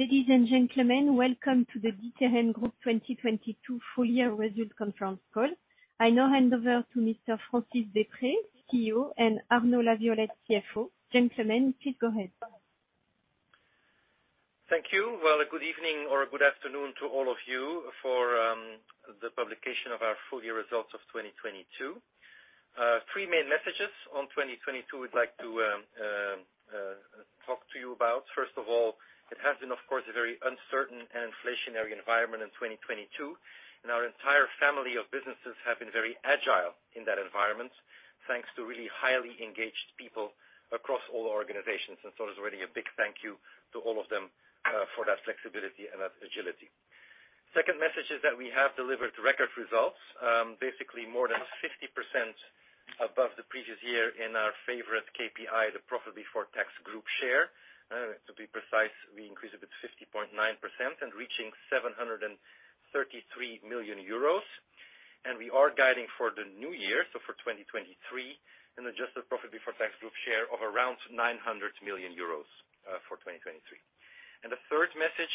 Ladies and gentlemen, welcome to the D'Ieteren Group 2022 Full Year Result Conference Call. I now hand over to Mr. Francis Deprez, CEO, and Arnaud Laviolette, CFO. Gentlemen, please go ahead. Thank you. Well, good evening or good afternoon to all of you for the publication of our full year results of 2022. Three main messages on 2022 we'd like to talk to you about. First of all, it has been, of course, a very uncertain and inflationary environment in 2022, and our entire family of businesses have been very agile in that environment, thanks to really highly engaged people across all organizations. I want to say a big thank you to all of them for that flexibility and that agility. Second message is that we have delivered record results, basically more than 50% above the previous year in our favorite KPI, the Profit Before Tax Group Share. To be precise, we increased it with 50.9% and reaching 733 million euros. We are guiding for the new year, so for 2023, an adjusted profit before tax group share of around 900 million euros for 2023. The third message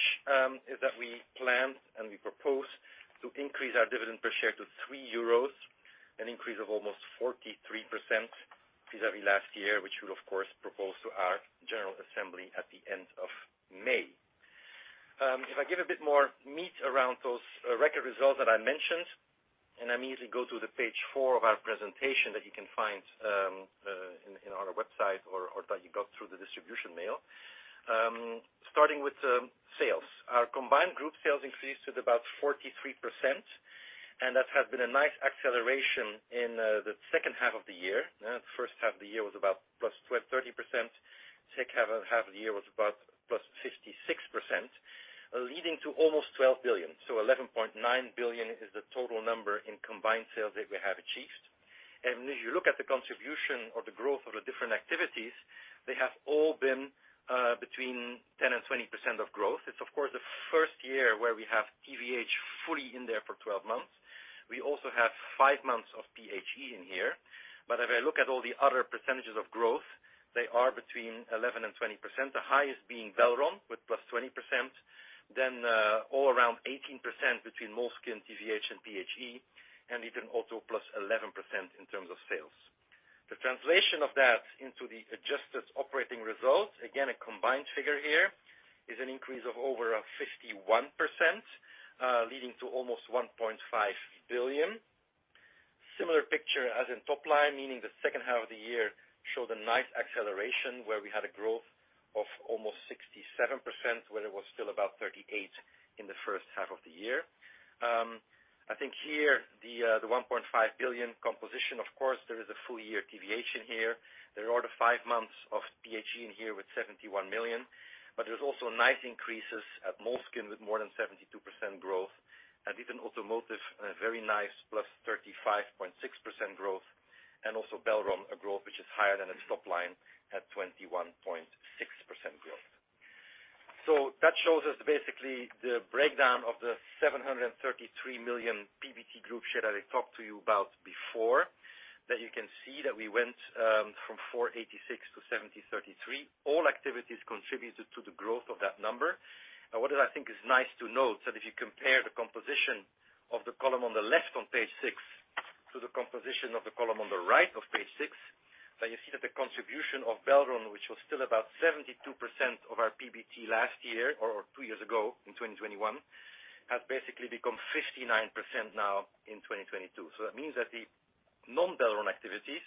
is that we plan and we propose to increase our dividend per share to 3 euros, an increase of almost 43% vis-à-vis last year, which we'll of course propose to our general assembly at the end of May. If I give a bit more meat around those record results that I mentioned, and I immediately go to page four of our presentation that you can find in our website or that you got through the distribution mail. Starting with sales. Our combined group sales increased to about 43%, and that has been a nice acceleration in the second half of the year. The first half of the year was about +30%. Second half of the year was about +56%, leading to almost 12 billion. 11.9 billion is the total number in combined sales that we have achieved. If you look at the contribution of the growth of the different activities, they have all been between 10% and 20% of growth. It's of course the first year where we have TVH fully in there for 12 months. We also have five months of PHE in here. If I look at all the other percentages of growth, they are between 11% and 20%, the highest being Belron with +20%. All around 18% between Moleskine, TVH, and PHE, and even Auto +11% in terms of sales. The translation of that into the adjusted operating results, again, a combined figure here, is an increase of over 51%, leading to almost 1.5 billion. Similar picture as in top line, meaning the second half of the year showed a nice acceleration where we had a growth of almost 67%, when it was still about 38% in the first half of the year. I think here, the 1.5 billion composition, of course, there is a full year deviation here. There are the five months of PHE in here with 71 million, but there's also nice increases at Moleskine with more than 72% growth, and even Automotive, a very nice +35.6% growth, and also Belron, a growth which is higher than its top line at 21.6% growth. That shows us basically the breakdown of the 733 million PBT group share that I talked to you about before. You can see that we went from 486 to 733. All activities contributed to the growth of that number. What I think is nice to note that if you compare the composition of the column on the left on page six to the composition of the column on the right of page six, then you see that the contribution of Belron, which was still about 72% of our PBT last year or two years ago in 2021, has basically become 59% now in 2022. That means that the non-Belron activities,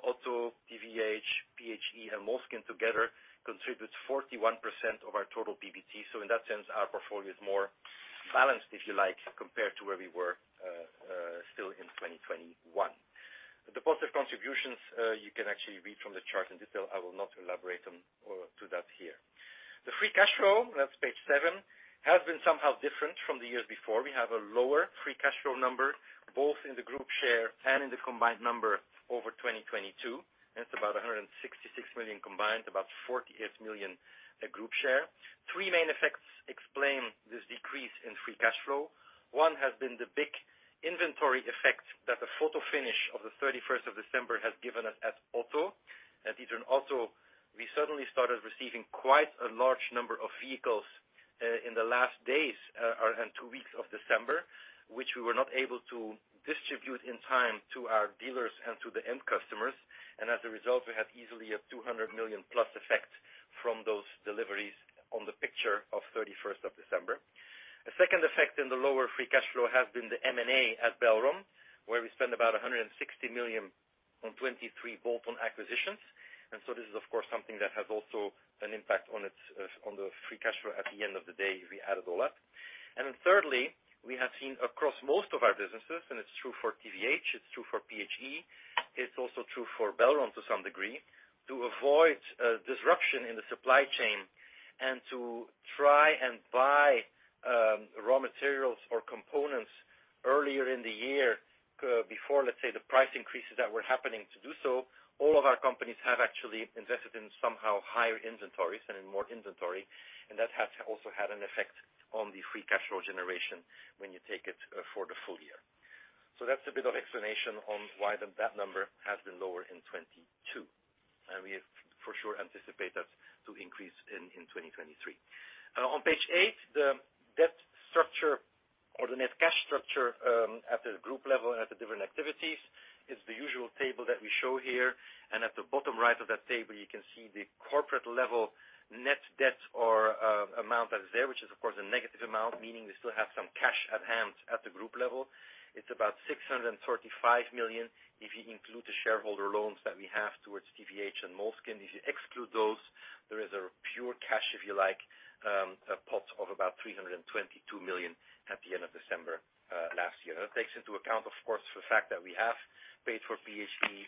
Auto, TVH, PHE, and Moleskine together, contributes 41% of our total PBT. In that sense, our portfolio is more balanced, if you like, compared to where we were still in 2021. The positive contributions, you can actually read from the chart in detail. I will not elaborate on or to that here. The free cash flow, that's page seven, has been somehow different from the years before. We have a lower free cash flow number, both in the group share and in the combined number over 2022. That's about 166 million combined, about 48 million a group share. Three main effects explain this decrease in free cash flow. One has been the big inventory effect that the photo finish of the 31st of December has given us at Auto. At D'Ieteren Auto, we suddenly started receiving quite a large number of vehicles in the last days and two weeks of December, which we were not able to distribute in time to our dealers and to the end customers. As a result, we had easily a 200 million+ effect from those deliveries on the picture of 31st of December. A second effect in the lower free cash flow has been the M&A at Belron, where we spent about 160 million on 2023 bolt-on acquisitions. This is of course something that has also an impact on it, on the free cash flow at the end of the day, if we added all that. Thirdly, we have seen across most of our businesses, it's true for TVH, it's true for PHE, it's also true for Belron to some degree. To avoid disruption in the supply chain and to try and buy raw materials or components earlier in the year, before, let's say, the price increases that were happening to do so, all of our companies have actually invested in somehow higher inventories and in more inventory, and that has also had an effect on the free cash flow generation when you take it for the full year. That's a bit of explanation on why that number has been lower in 2022. We for sure anticipate that to increase in 2023. On page eight, the debt structure or the net cash structure at the group level and at the different activities is the usual table that we show here. At the bottom right of that table, you can see the corporate level net debt or amount that is there, which is of course a negative amount, meaning we still have some cash at hand at the group level. It's about 635 million if you include the shareholder loans that we have towards TVH and Moleskine. If you exclude those, there is a pure cash, if you like, a pot of about 322 million at the end of December last year. That takes into account, of course, the fact that we have paid for PHE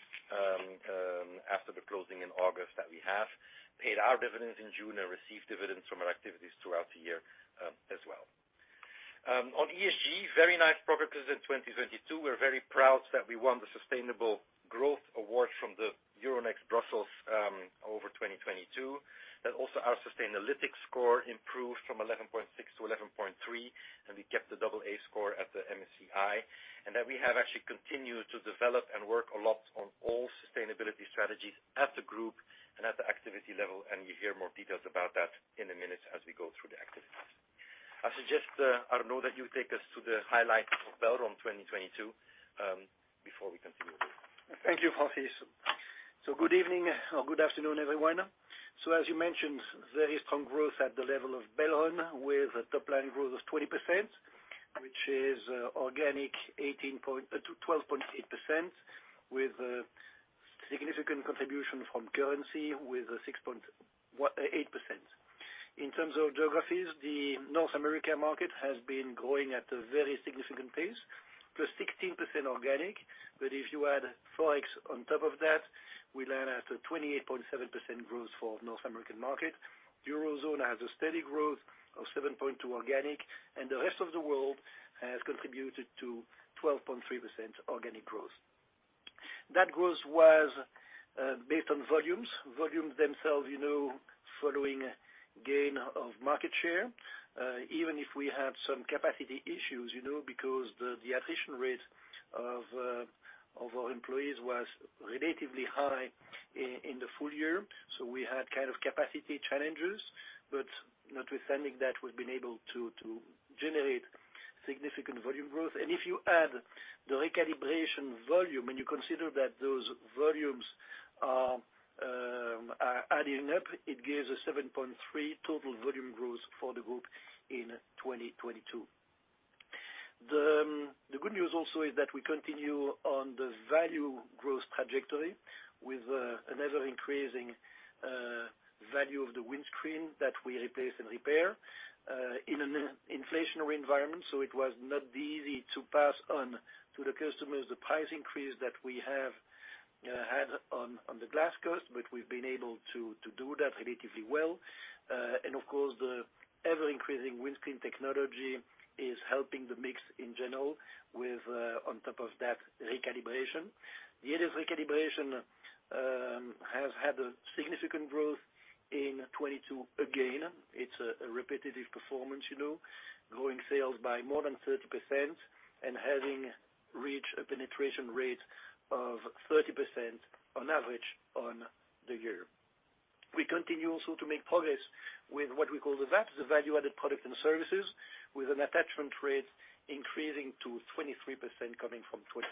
after the closing in August, that we have paid our dividends in June and received dividends from our activities throughout the year as well. On ESG, very nice progress in 2022. We're very proud that we won the Sustainable Growth Award from the Euronext Brussels over 2022. That also our Sustainalytics score improved from 11.6 to 11.3, and we kept the AA score at the MSCI. That we have actually continued to develop and work a lot on all sustainability strategies at the group and at the activity level, and you hear more details about that in a minute as we go through the activities. I suggest, Arnaud, that you take us through the highlights of Belron 2022, before we continue. Thank you, Francis. Good evening or good afternoon, everyone. As you mentioned, very strong growth at the level of Belron with a top line growth of 20%, which is organic 12.8% with a significant contribution from currency with a 6.8%. In terms of geographies, the North America market has been growing at a very significant pace, +16% organic. If you add ForEx on top of that, we land at a 28.7% growth for North American market. Eurozone has a steady growth of 7.2% organic, and the rest of the world has contributed to 12.3% organic growth. That growth was based on volumes. Volumes themselves, you know, following gain of market share, even if we had some capacity issues, you know, because the attrition rate of our employees was relatively high in the full year. We had kind of capacity challenges, but notwithstanding that, we've been able to generate significant volume growth. If you add the recalibration volume, and you consider that those volumes are adding up, it gives a 7.3 total volume growth for the group in 2022. The good news also is that we continue on the value growth trajectory with another increasing value of the windscreen that we replace and repair in an inflationary environment. It was not easy to pass on to the customers the price increase that we have had on the glass cost, but we've been able to do that relatively well. Of course, the ever-increasing windscreen technology is helping the mix in general with on top of that recalibration. The ADAS recalibration has had a significant growth in 2022. Again, it's a repetitive performance, you know, growing sales by more than 30% and having reached a penetration rate of 30% on average on the year. We continue also to make progress with what we call the VAPS, the value-added product and services, with an attachment rate increasing to 23% coming from 21%.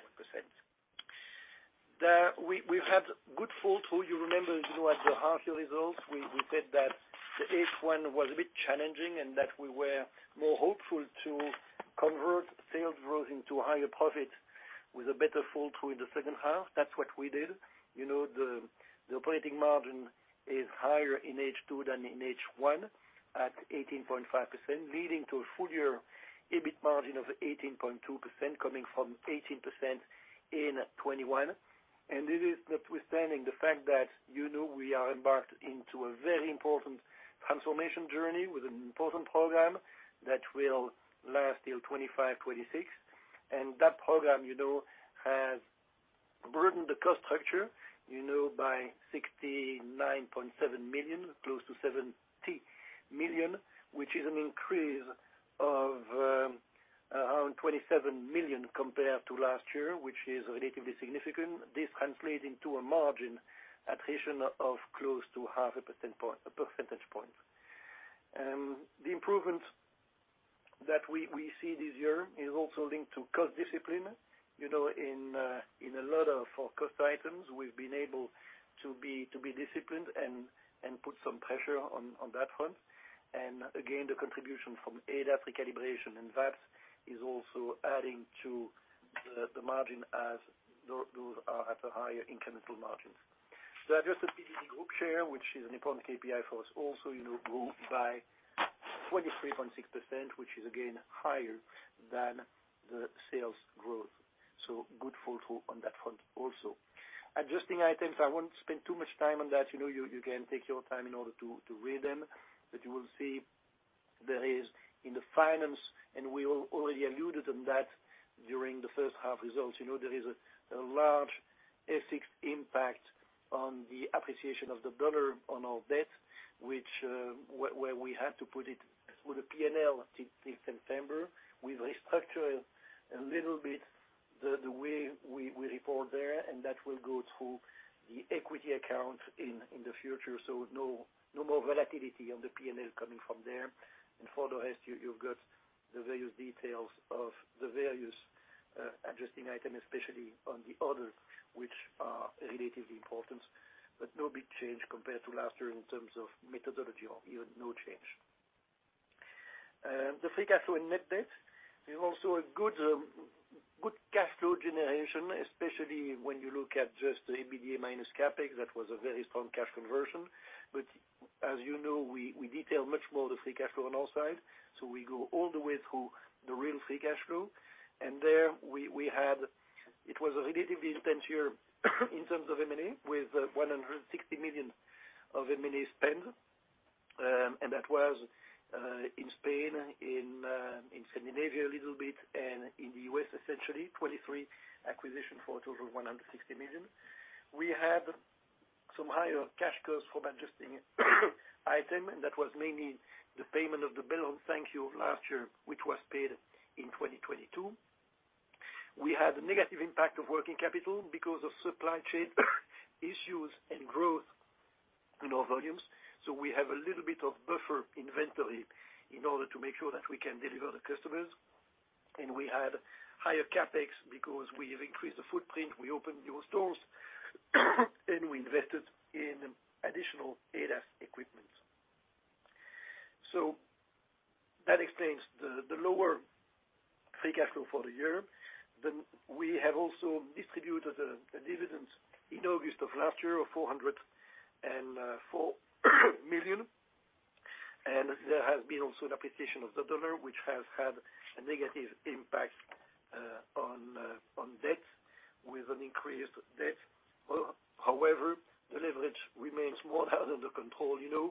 We've had good follow through. You remember, you know, at the half-year results, we said that the H1 was a bit challenging and that we were more hopeful to convert sales growth into higher profits with a better follow through in the second half. That's what we did. You know, the operating margin is higher in H2 than in H1 at 18.5%, leading to a full year EBIT margin of 18.2% coming from 18% in 2021. It is notwithstanding the fact that, you know, we are embarked into a very important transformation journey with an important program that will last till 2025, 2026. That program, you know, has burdened the cost structure, you know, by 69.7 million, close to 70 million, which is an increase of around 27 million compared to last year, which is relatively significant. This translates into a margin attrition of close to half a percentage point. The improvements that we see this year is also linked to cost discipline. You know, in a lot of our cost items, we've been able to be disciplined and put some pressure on that front. Again, the contribution from ADAS recalibration and VAPS is also adding to the margin as those are at a higher incremental margins. The adjusted PBT group share, which is an important KPI for us, also, you know, grew by 23.6%, which is again higher than the sales growth. Good follow through on that front also. Adjusting items, I won't spend too much time on that. You know, you can take your time in order to read them. You will see there is in the finance, and we already alluded on that during the first half results, you know, there is a large FX impact on the appreciation of the dollar on our debt, which where we had to put it through the PNL till September. We've restructured a little bit the way we report there, and that will go through the equity account in the future. No more volatility on the PNL coming from there. For the rest, you've got the various details of the various adjusting item, especially on the orders which are relatively important, but no big change compared to last year in terms of methodology or even no change. The free cash flow and net debt is also a good cash flow generation, especially when you look at just the EBITDA minus CapEx. That was a very strong cash flow conversion. As you know, we detail much more the free cash flow on our side. We go all the way through the real free cash flow. There it was a relatively intense year in terms of M&A with 160 million of M&A spend. That was in Spain, in Scandinavia a little bit, and in the U.S., essentially 2023 acquisition for a total of 160 million. We had some higher cash costs for adjusting item, and that was mainly the payment of the bill of ThankYou last year, which was paid in 2022. We had negative impact of working capital because of supply chain issues and growth in our volumes. We have a little bit of buffer inventory in order to make sure that we can deliver the customers. We had higher CapEx because we have increased the footprint, we opened new stores, and we invested in additional ADAS equipment. That explains the lower free cash flow for the year. We have also distributed a dividend in August of last year of 404 million. There has been also an appreciation of the dollar, which has had a negative impact on debt with an increased debt. Well, however, the leverage remains more under control. You know,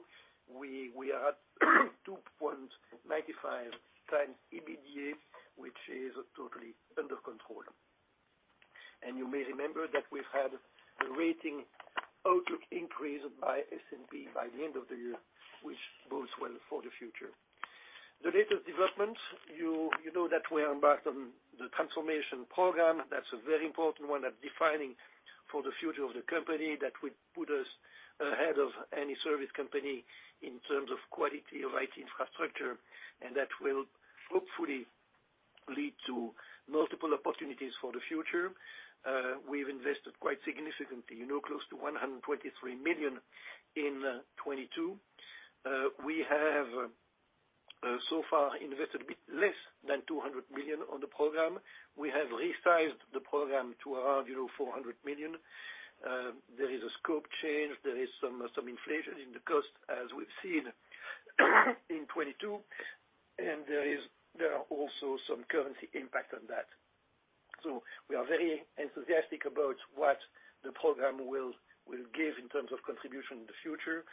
we are at 2.95x EBITDA, which is totally under control. You may remember that we've had the rating outlook increased by S&P by the end of the year, which bodes well for the future. The latest development, you know that we are embarked on the transformation program. That's a very important one that defining for the future of the company that will put us ahead of any service company in terms of quality of IT infrastructure, and that will hopefully lead to multiple opportunities for the future. We've invested quite significantly, you know, close to 123 million in 2022. We have so far invested a bit less than 200 million on the program. We have resized the program to around, you know, 400 million. There is a scope change. There is some inflation in the cost as we've seen in 2022, there are also some currency impact on that. We are very enthusiastic about what the program will give in terms of contribution in the future.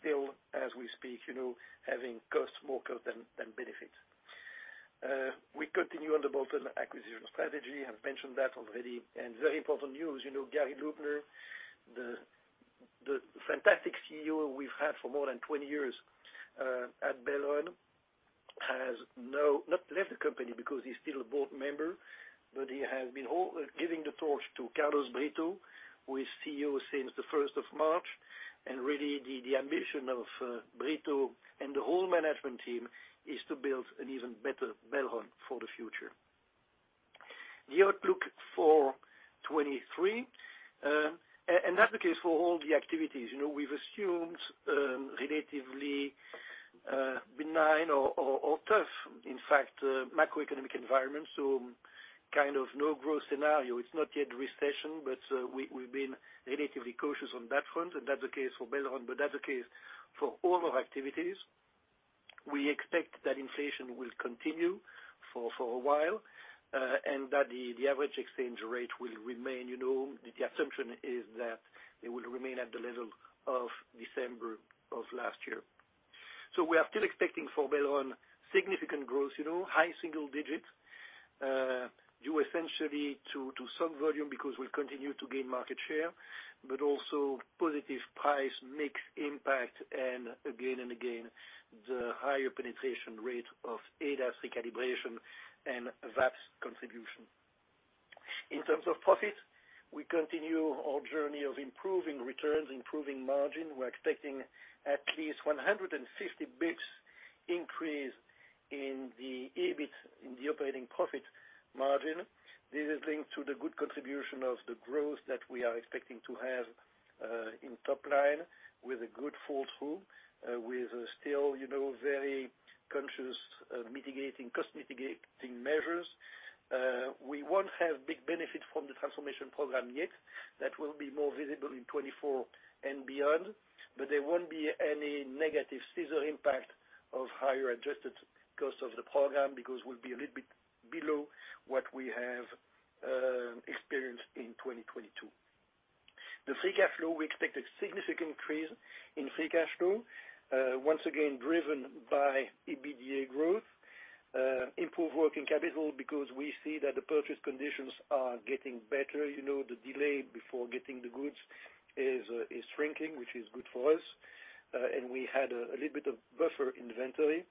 Still, as we speak, you know, having costs more cost than benefits. We continue on the Belron acquisition strategy. I've mentioned that already. Very important news, you know, Gary Lubner, the fantastic CEO we've had for more than 20 years at Belron, has now not left the company because he's still a board member, but he has been giving the torch to Carlos Brito, who is CEO since the 1st of March. Really, the ambition of Brito and the whole management team is to build an even better Belron for the future. The outlook for 2023, and that's the case for all the activities. You know, we've assumed relatively benign or tough, in fact, macroeconomic environment, so kind of no growth scenario. It's not yet recession, but we've been relatively cautious on that front, and that's the case for Belron, but that's the case for all our activities. We expect that inflation will continue for a while, and that the average exchange rate will remain. You know, the assumption is that it will remain at the level of December of last year. We are still expecting for Belron significant growth, you know, high single digits, due essentially to some volume because we'll continue to gain market share, but also positive price mix impact and again and again, the higher penetration rate of ADAS recalibration and VAPS contribution. In terms of profit, we continue our journey of improving returns, improving margin. We're expecting at least 150 basis points increase in the EBIT, in the operating profit margin. This is linked to the good contribution of the growth that we are expecting to have, in top line with a good fall through, with still, you know, very conscious, mitigating, cost mitigating measures. We won't have big benefit from the transformation program yet. That will be more visible in 2024 and beyond. There won't be any negative scissor impact of higher adjusted cost of the program because we'll be a little bit below what we have experienced in 2022. The free cash flow, we expect a significant increase in free cash flow, once again driven by EBITDA growth, improved working capital because we see that the purchase conditions are getting better. You know, the delay before getting the goods is shrinking, which is good for us. We had a little bit of buffer inventory,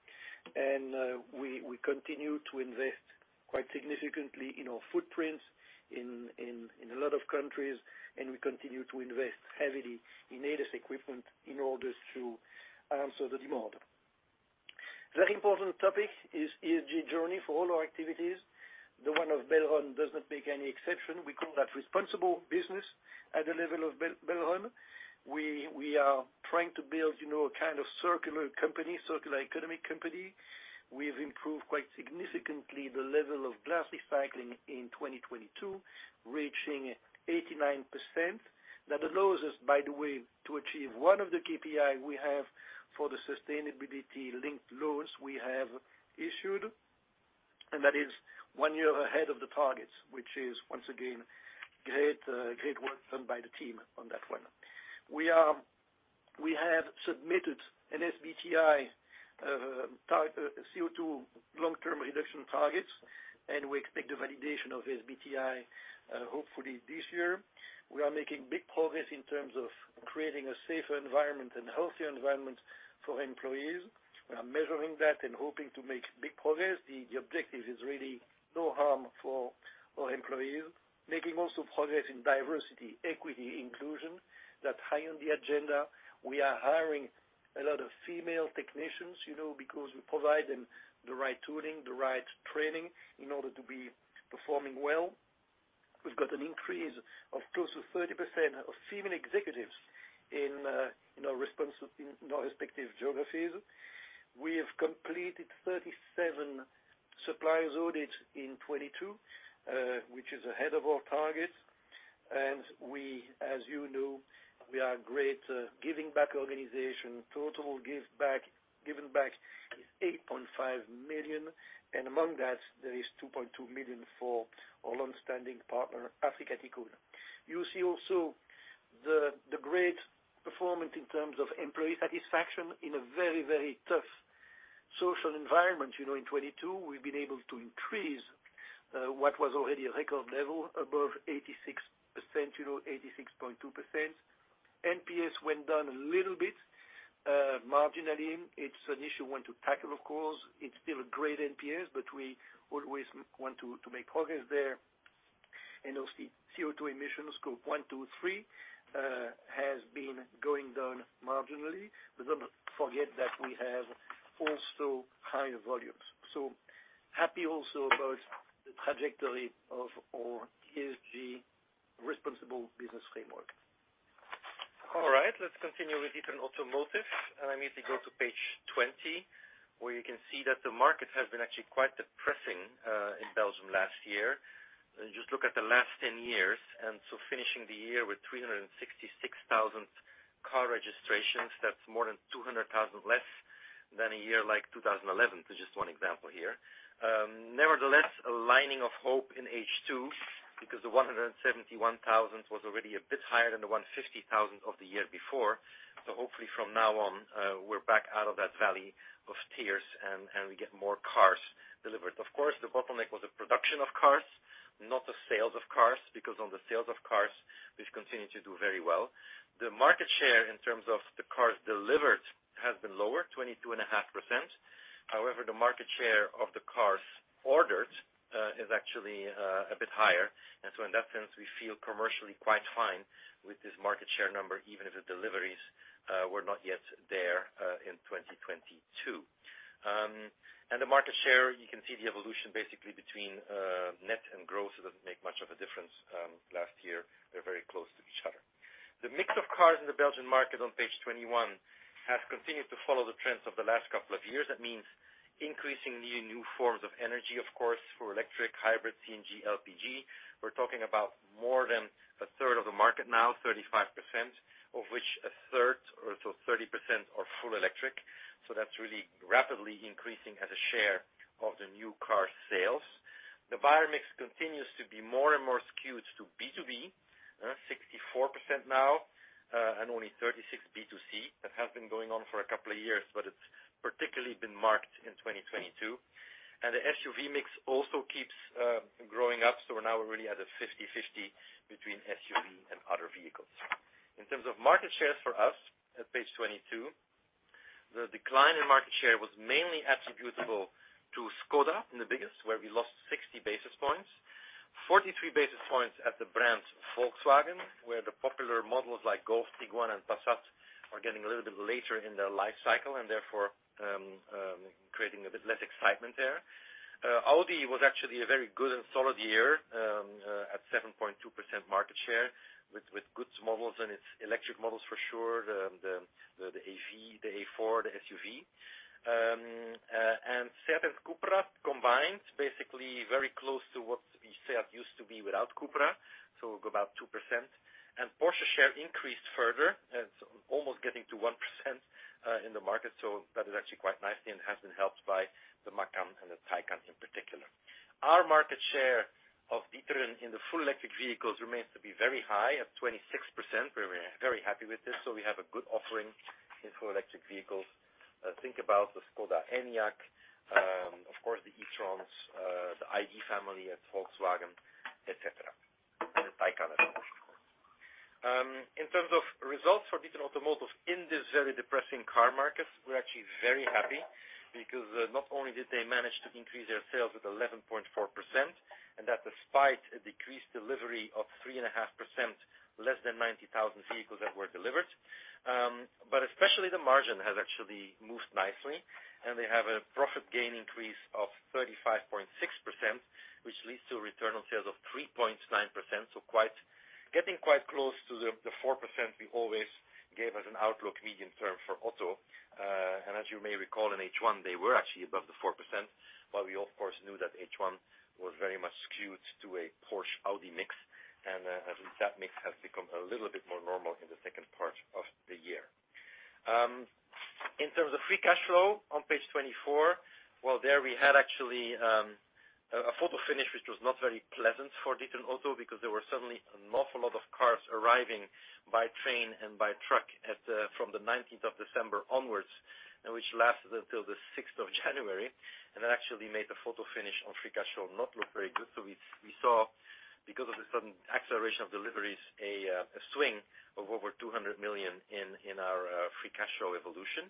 and we continue to invest quite significantly in our footprints in a lot of countries, and we continue to invest heavily in ADAS equipment in order to answer the demand. Very important topic is ESG journey for all our activities. The one of Belron does not make any exception. We call that responsible business at the level of Belron. We are trying to build, you know, a kind of circular company, circular economic company. We've improved quite significantly the level of glass recycling in 2022, reaching 89%. That allows us, by the way, to achieve one of the KPI we have for the sustainability-linked loans we have issued, and that is one year ahead of the targets, which is, once again, great work done by the team on that one. We have submitted an SBTi CO2 long-term reduction targets, and we expect the validation of SBTi hopefully this year. We are making big progress in terms of creating a safer environment and healthier environment for employees. We are measuring that and hoping to make big progress. The objective is really no harm for our employees. Making also progress in diversity, equity, inclusion. That's high on the agenda. We are hiring a lot of female technicians, you know, because we provide them the right tooling, the right training in order to be performing well. We've got an increase of close to 30% of female executives in our respective geographies. We have completed 37 suppliers audit in 2022, which is ahead of our targets. We, as you know, we are great giving back organization. Total given back is 8.5 million, and among that, there is 2.2 million for our long-standing partner, Afrika Tikkun. You see also the great performance in terms of employee satisfaction in a very, very tough social environment. You know, in 2022, we've been able to increase what was already a record level above 86%, you know, 86.2%. NPS went down a little bit, marginally. It's an issue we want to tackle, of course. It's still a great NPS, but we always want to make progress there. Also, CO2 emissions group one, two, three, has been going down marginally. Don't forget that we have also higher volumes. Happy also about the trajectory of our ESG responsible business framework. All right, let's continue with D'Ieteren Automotive. I need to go to page 20, where you can see that the market has been actually quite depressing, in Belgium last year. Just look at the last 10 years. Finishing the year with 366,000 car registrations, that's more than 200,000 less than a year like 2011, to just one example here. Nevertheless, a lining of hope in H2 because the 171,000 was already a bit higher than the 150,000 of the year before. Hopefully from now on, we're back out of that valley of tears and we get more cars delivered. Of course, the bottleneck was the production of cars, not the sales of cars, because on the sales of cars, we've continued to do very well. The market share in terms of the cars delivered has been lower, 22.5%. However, the market share of the cars ordered is actually a bit higher. In that sense, we feel commercially quite fine with this market share number, even if the deliveries were not yet there in 2022. The market share, you can see the evolution basically between net and gross. It doesn't make much of a difference last year. They're very close to each other. The mix of cars in the Belgian market on page 21 has continued to follow the trends of the last couple of years. That means increasingly new forms of energy, of course, for electric, hybrid, CNG, LPG. We're talking about more than a third of the market now, 35%, of which a third or so 30% are full electric. That's really rapidly increasing as a share of the new car sales. The buyer mix continues to be more and more skewed to B2B, 64% now, and only 36% B2C. That has been going on for a couple of years, but it's particularly been marked in 2022. The SUV mix also keeps growing up. We're now really at a 50/50 between SUV and other vehicles. In terms of market shares for us at page 22, the decline in market share was mainly attributable to Škoda in the biggest, where we lost 60 basis points. 43 basis points at the brand Volkswagen, where the popular models like Golf, Tiguan, and Passat are getting a little bit later in their life cycle and therefore creating a bit less excitement there. Audi was actually a very good and solid year at 7.2% market share with good models and its electric models for sure, the A4, the SUV. SEAT and CUPRA combined basically very close to what we say it used to be without CUPRA, so about 2%. Porsche share increased further. It's almost getting to 1% in the market. That is actually quite nice and has been helped by the Macan and the Taycan in particular. Our market share of D'Ieteren in the full electric vehicles remains to be very high at 26%. We're very happy with this. We have a good offering in full electric vehicles. Think about the Škoda Enyaq, of course, the e-trons, the ID. family at Volkswagen, et cetera, and Taycan as well, of course. In terms of results for D'Ieteren Automotive in this very depressing car market, we're actually very happy because not only did they manage to increase their sales at 11.4%, and that despite a decreased delivery of 3.5% less than 90,000 vehicles that were delivered. Especially the margin has actually moved nicely, and they have a profit gain increase of 35.6%, which leads to a return on sales of 3.9%. Getting quite close to the 4% we always gave as an outlook medium-term for Auto. As you may recall, in H1, they were actually above the 4%. While we of course knew that H1 was very much skewed to a Porsche Audi mix, and at least that mix has become a little bit more normal in the second part of the year. In terms of free cash flow on page 24, there we had actually a photo finish, which was not very pleasant for D'Ieteren Auto because there were suddenly an awful lot of cars arriving by train and by truck from the 19th of December onwards, and which lasted until the 6th of January. That actually made the photo finish on free cash flow not look very good. We saw, because of the sudden acceleration of deliveries, a swing of over 200 million in our free cash flow evolution.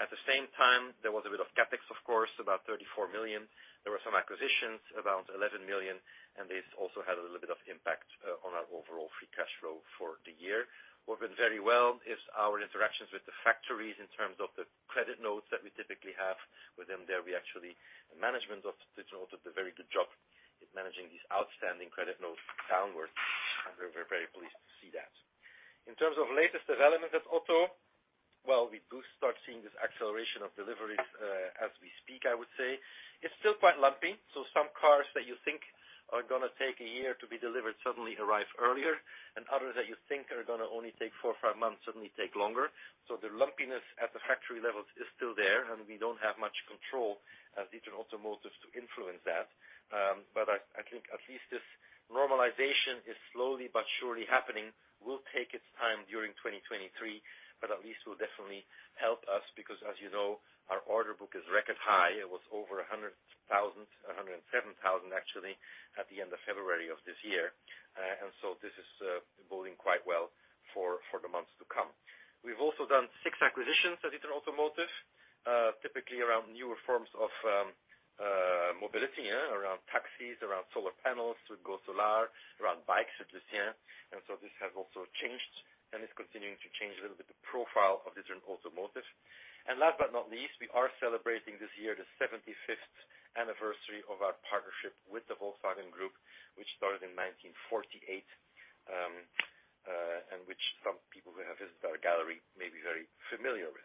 At the same time, there was a bit of CapEx, of course, about 34 million. There were some acquisitions, around 11 million, this also had a little bit of impact on our overall free cash flow for the year. What went very well is our interactions with the factories in terms of the credit notes that we typically have. Within there, we actually the management of D'Ieteren did a very good job at managing these outstanding credit notes downwards, and we're very pleased to see that. In terms of latest development at Auto, well, we do start seeing this acceleration of deliveries, as we speak, I would say. It's still quite lumpy, so some cars that you think are gonna take a year to be delivered suddenly arrive earlier, and others that you think are gonna only take four or five months suddenly take longer. The lumpiness at the factory levels is still there, and we don't have much control as D'Ieteren Automotive to influence that. I think at least this normalization is slowly but surely happening, will take its time during 2023, but at least will definitely help us because, as you know, our order book is record high. It was over 100,000, 107,000 actually, at the end of February of this year. This is boding quite well for the months to come. We've also done six acquisitions at D'Ieteren Automotive, typically around newer forms of mobility, yeah, around taxis, around solar panels with Go-Solar, around bikes at Lucien. This has also changed, and it's continuing to change a little bit the profile of D'Ieteren Automotive. Last but not least, we are celebrating this year the 75th anniversary of our partnership with the Volkswagen Group, which started in 1948, and which some people who have visited our gallery may be very familiar with.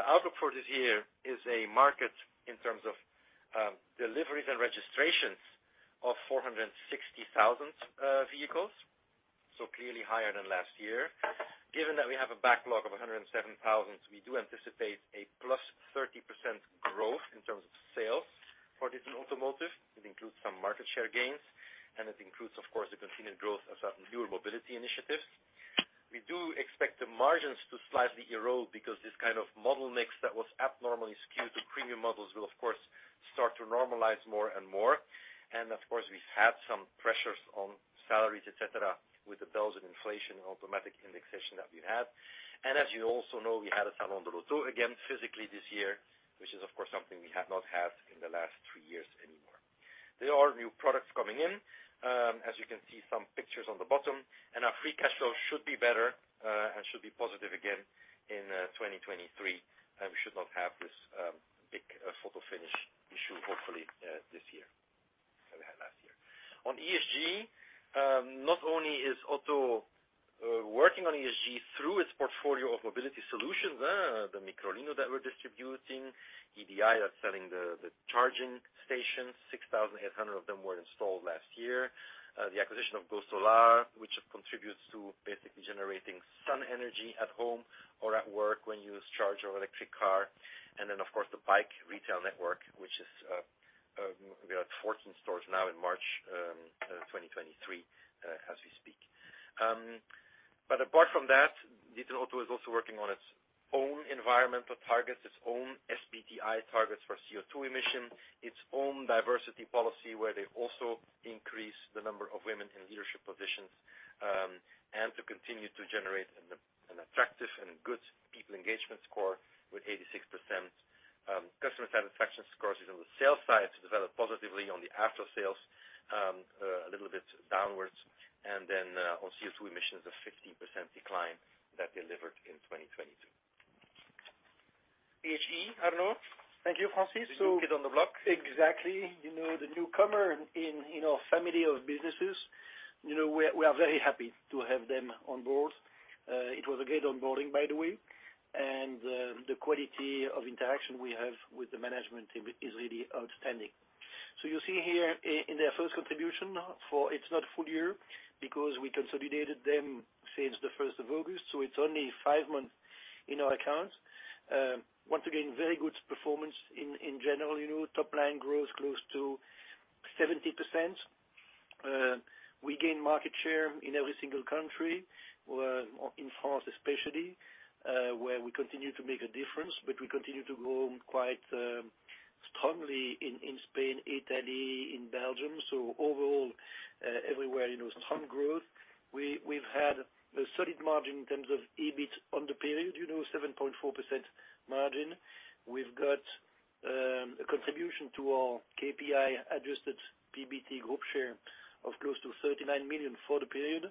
The outlook for this year is a market in terms of deliveries and registrations of 460,000 vehicles, so clearly higher than last year. Given that we have a backlog of 107,000, we do anticipate a +30% growth in terms of sales for D'Ieteren Automotive. It includes some market share gains, and it includes, of course, the continued growth of certain newer mobility initiatives. We do expect the margins to slightly erode because this kind of model mix that was abnormally skewed to premium models will of course start to normalize more and more. Of course, we've had some pressures on salaries, et cetera, with the Belgian inflation and automatic indexation that we had. As you also know, we had a Salon de l'Auto again physically this year, which is of course something we have not had in the last three years anymore. There are new products coming in, as you can see some pictures on the bottom. Our free cash flow should be better and should be positive again in 2023. We should not have this big photo finish issue hopefully this year than we had last year. On ESG, not only is Auto working on ESG through its portfolio of mobility solutions, the Microlino that we're distributing, EDI are selling the charging stations, 6,800 of them were installed last year. The acquisition of Go-Solar, which contributes to basically generating sun energy at home or at work when you charge your electric car. Of course, the bike retail network, which is, we are at 14 stores now in March 2023, as we speak. Apart from that, D'Ieteren Automotive is also working on its own environmental targets, its own SBTi targets for CO2 emission, its own diversity policy, where they also increase the number of women in leadership positions, and to continue to generate an attractive and a good people engagement score with 86%. Customer satisfaction scores, you know, the sales side to develop positively on the after-sales, a little bit downwards. On CO2 emissions, a 15% decline that delivered in 2022. PHE, Arnaud? Thank you, Francis. You get on the block. Exactly. You know, the newcomer in, you know, family of businesses. You know, we are very happy to have them on board. It was a great onboarding, by the way. The quality of interaction we have with the management team is really outstanding. You see here in their first contribution. It's not full year because we consolidated them since the first of August, so it's only five months in our accounts. Once again, very good performance in general. You know, top line growth close to 70%. We gained market share in every single country, in France especially, where we continue to make a difference, but we continue to grow quite strongly in Spain, Italy, in Belgium. Overall, everywhere, you know, strong growth. We've had a solid margin in terms of EBIT on the period, you know, 7.4% margin. We've got a contribution to our KPI adjusted PBT group share of close to 39 million for the period.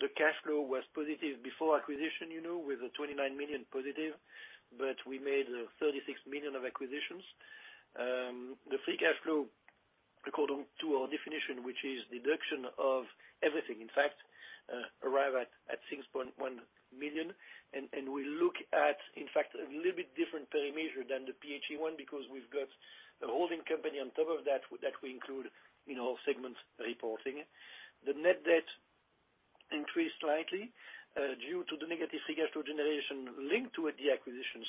The cash flow was positive before acquisition, you know, with a 29 million positive, but we made 36 million of acquisitions. The free cash flow according to our definition, which is deduction of everything, in fact, arrive at 6.1 million. We look at, in fact, a little bit different parameter than the PHE one, because we've got a holding company on top of that we include in all segments reporting. The net debt increased slightly due to the negative free cash flow generation linked with the acquisitions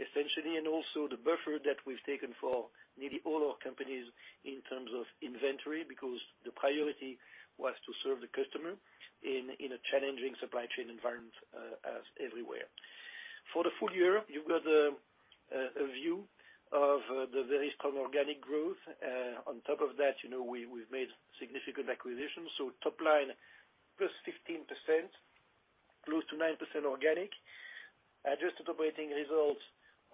essentially, and also the buffer that we've taken for nearly all our companies in terms of inventory, because the priority was to serve the customer in a challenging supply chain environment as everywhere. For the full year, you've got a view of the very strong organic growth. On top of that, you know, we've made significant acquisitions, so top line plus 15%, close to 9% organic. Adjusted operating results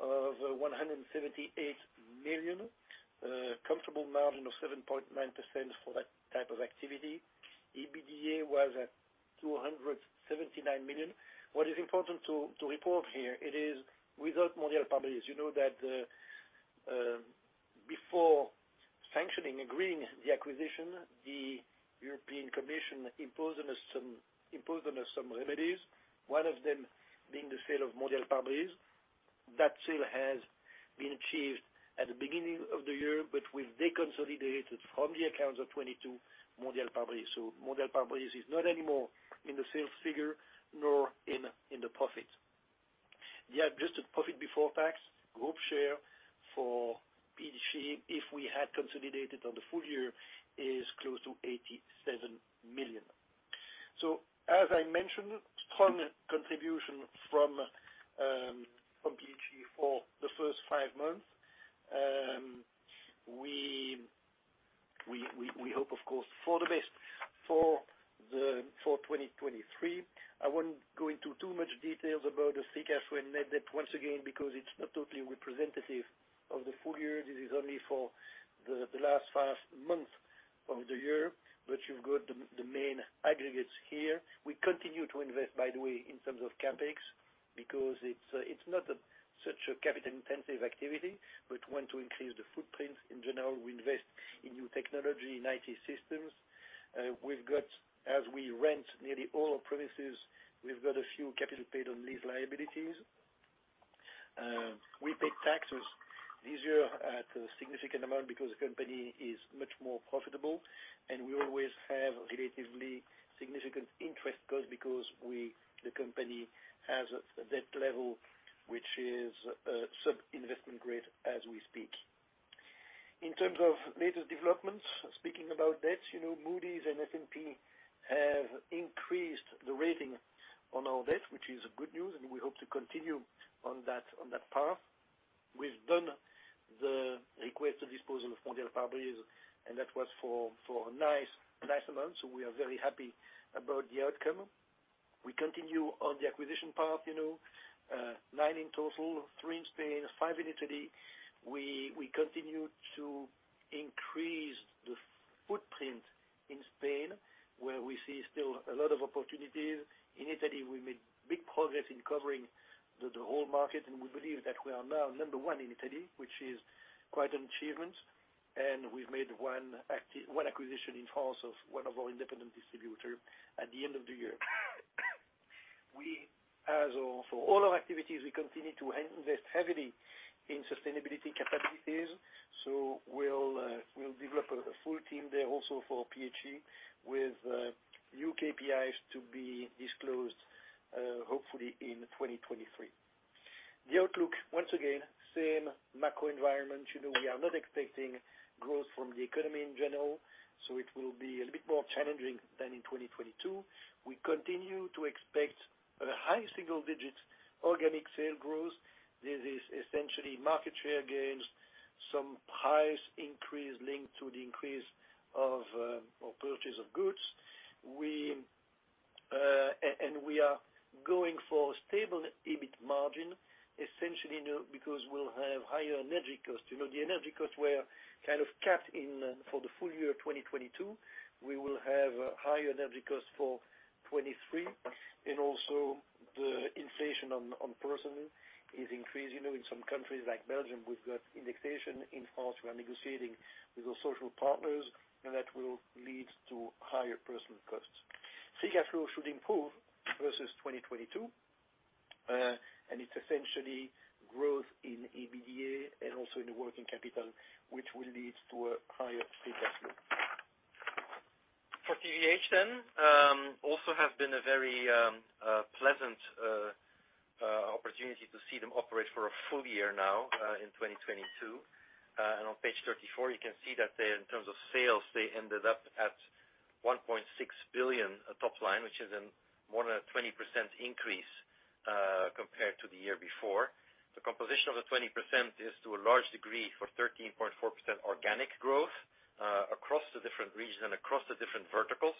of 178 million, comfortable margin of 7.9% for that type of activity. EBITDA was at 279 million. What is important to report here, it is without Mondial Pare-Brise. You know that, before sanctioning, agreeing the acquisition, the European Commission imposed on us some remedies, one of them being the sale of Mondial Pare-Brise. That sale has been achieved at the beginning of the year. We've deconsolidated from the accounts of 2022 Mondial Pare-Brise. Mondial Pare-Brise is not anymore in the sales figure, nor in the profit. The adjusted profit before tax group share for PHE, if we had consolidated on the full year, is close to 87 million. As I mentioned, strong contribution from PHE for the first five months. We hope, of course, for the best for 2023. I wouldn't go into too much details about the free cash flow and net debt, once again, because it's not totally representative of the full year. This is only for the last five months of the year, you've got the main aggregates here. We continue to invest, by the way, in terms of CapEx, because it's not such a capital-intensive activity, want to increase the footprint. In general, we invest in new technology, in IT systems. We've got, as we rent nearly all our premises, we've got a few capital paid on lease liabilities. We paid taxes this year at a significant amount because the company is much more profitable, we always have relatively significant interest costs because the company has a debt level which is sub-investment grade as we speak. In terms of latest developments, speaking about debts, you know Moody's and S&P have increased the rating on our debt, which is good news. We hope to continue on that path. We've done the requested disposal of Mondial Pare-Brise, and that was for a nice amount. We are very happy about the outcome. We continue on the acquisition path, you know, nine in total, three in Spain, five in Italy. We continue to increase the footprint in Spain, where we see still a lot of opportunities. In Italy, we made big progress in covering the whole market. We believe that we are now number one in Italy, which is quite an achievement. We've made one acquisition in France of one of our independent distributor at the end of the year. We, as for all our activities, we continue to invest heavily in sustainability capabilities. We'll develop a full team there also for PHE with new KPIs to be disclosed hopefully in 2023. The outlook, once again, same macro environment. You know we are not expecting growth from the economy in general, so it will be a little bit more challenging than in 2022. We continue to expect a high single digits organic sale growth. This is essentially market share gains, some price increase linked to the increase of or purchase of goods. We and we are going for stable EBIT margin essentially now because we'll have higher energy costs. You know, the energy costs were kind of capped in, for the full year of 2022. We will have higher energy costs for 2023, and also the inflation on personnel is increasing. You know, in some countries like Belgium, we've got indexation. In France, we are negotiating with our social partners, and that will lead to higher personnel costs. Free cash flow should improve versus 2022. It's essentially growth in EBITDA and also in the working capital, which will lead to a higher free cash flow. For PHE, also have been a very pleasant opportunity to see them operate for a full year now, in 2022. On page 34, you can see that they, in terms of sales, they ended up at 1.6 billion top line, which is a more than a 20% increase compared to the year before. The composition of the 20% is to a large degree for 13.4% organic growth across the different regions and across the different verticals.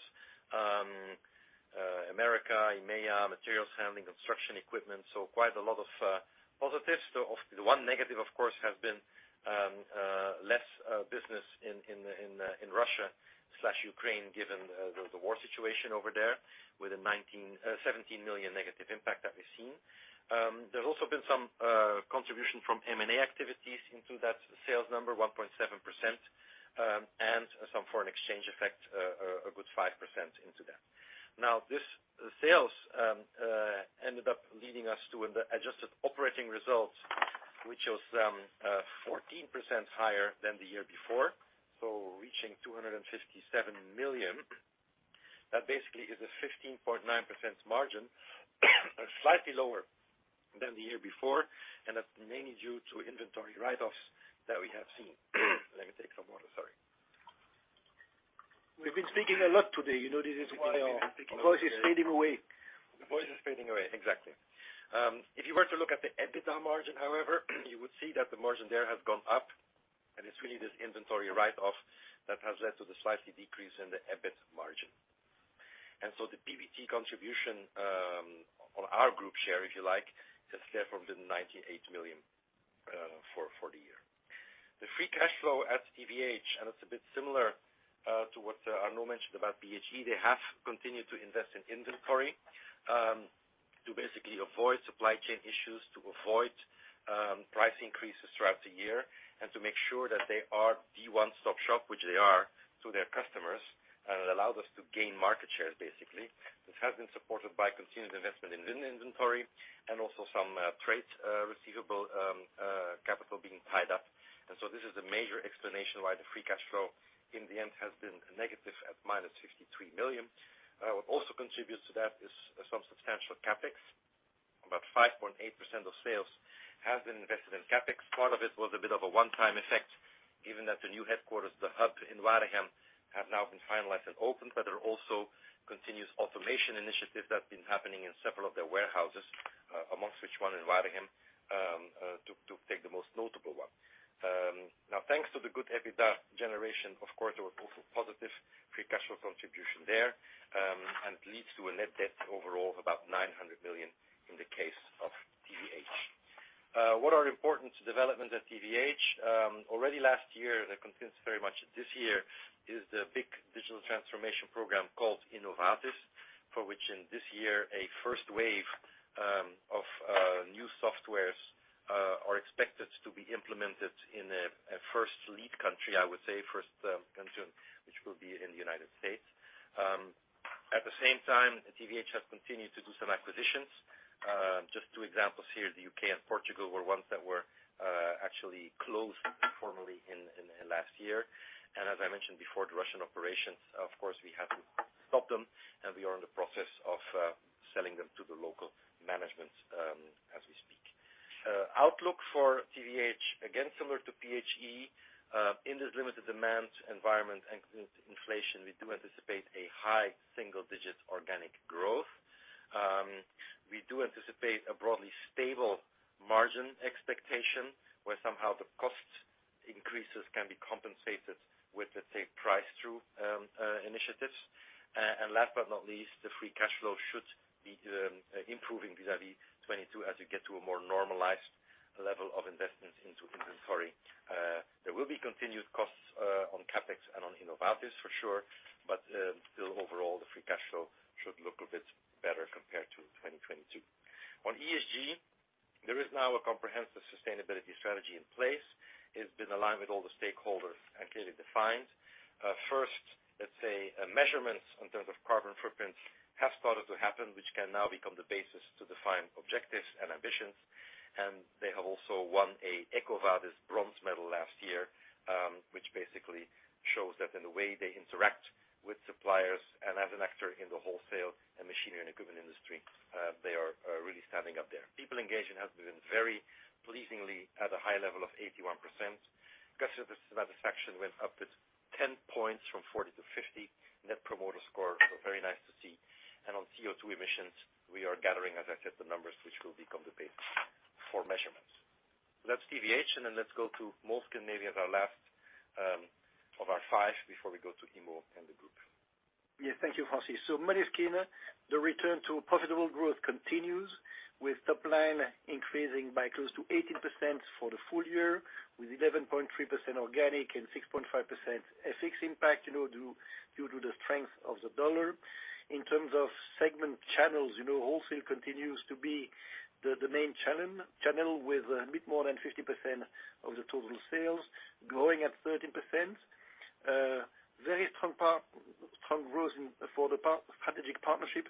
America, EMEA, materials handling, construction equipment, so quite a lot of positives. The one negative, of course, has been less business in Russia slash Ukraine, given the war situation over there with a 17 million negative impact that we've seen. There's also been some contribution from M&A activities into that sales number, 1.7%, and some foreign exchange effect, a good 5% into that. This sales ended up leading us to an adjusted operating results, which was 14% higher than the year before. Reaching 257 million. That basically is a 15.9% margin, slightly lower than the year before, and that's mainly due to inventory write-offs that we have seen. Let me take some water, sorry. We've been speaking a lot today, you know this is. Your voice is fading away. The voice is fading away, exactly. If you were to look at the EBITDA margin, however, you would see that the margin there has gone up. It's really this inventory write-off that has led to the slightly decrease in the EBIT margin. The PBT contribution on our group share, if you like, has therefore been 98 million for the year. The free cash flow at TVH, it's a bit similar to what Arnaud mentioned about PHE. They have continued to invest in inventory to basically avoid supply chain issues, to avoid price increases throughout the year. To make sure that they are the one-stop shop, which they are to their customers, it allows us to gain market share, basically. This has been supported by continued investment in in-inventory and also some, trade, receivable, capital being tied up. This is a major explanation why the free cash flow in the end has been negative at -53 million. What also contributes to that is some substantial CapEx. About 5.8% of sales has been invested in CapEx. Part of it was a bit of a one-time effect, given that the new headquarters, the hub in Waregem, have now been finalized and opened. But there are also continuous automation initiatives that have been happening in several of their warehouses, amongst which one in Waregem, to take the most notable one. Now, thanks to the good EBITDA generation, of course, there were positive free cash flow contribution there, and it leads to a net debt overall of about 900 million in the case of TVH. What are important to development at TVH? Already last year, that continues very much this year, is the big digital transformation program called Innovatis, for which in this year, a first wave of new softwares are expected to be implemented in a first lead country, I would say, first country, which will be in the United States. At the same time, TVH has continued to do some acquisitions. Just two examples here, the U.K. and Portugal were ones that were actually closed formally in last year. As I mentioned before, the Russian operations, of course, we had to stop them, and we are in the process of selling them to the local management as we speak. Outlook for TVH, again, similar to PHE, in this limited demand environment and inflation, we do anticipate a high single-digit organic growth. We do anticipate a broadly stable margin expectation, where somehow the cost increases can be compensated with, let's say, price through initiatives. Last but not least, the free cash flow should be improving vis-à-vis 2022 as you get to a more normalized level of investment into inventory. There will be continued costs on CapEx and on Innovatis for sure, but still overall, the free cash flow should look a bit better compared to 2022. On ESG, there is now a comprehensive sustainability strategy in place. It's been aligned with all the stakeholders and clearly defined. First, let's say, measurements in terms of carbon footprint has started to happen, which can now become the basis to define objectives and ambitions. They have also won a EcoVadis bronze medal last year, which basically shows that in the way they interact with suppliers and as an actor in the wholesale and machinery and equipment industry, they are really standing up there. People engagement has been very pleasingly at a high level of 81%. Customer satisfaction went up with 10 points from 40 to 50. net promoter score. Very nice to see. On CO2 emissions, we are gathering, as I said, the numbers which will become the basis for measurements. That's TVH. Let's go to Moleskine maybe as our last of our five before we go to Immo and the group. Yeah. Thank you, Francis. Moleskine, the return to profitable growth continues with top line increasing by close to 18% for the full year, with 11.3% organic and 6.5% FX impact, you know, due to the strength of the dollar. In terms of segment channels, you know, wholesale continues to be the main channel with a bit more than 50% of the total sales growing at 13%. very strong growth for the strategic partnership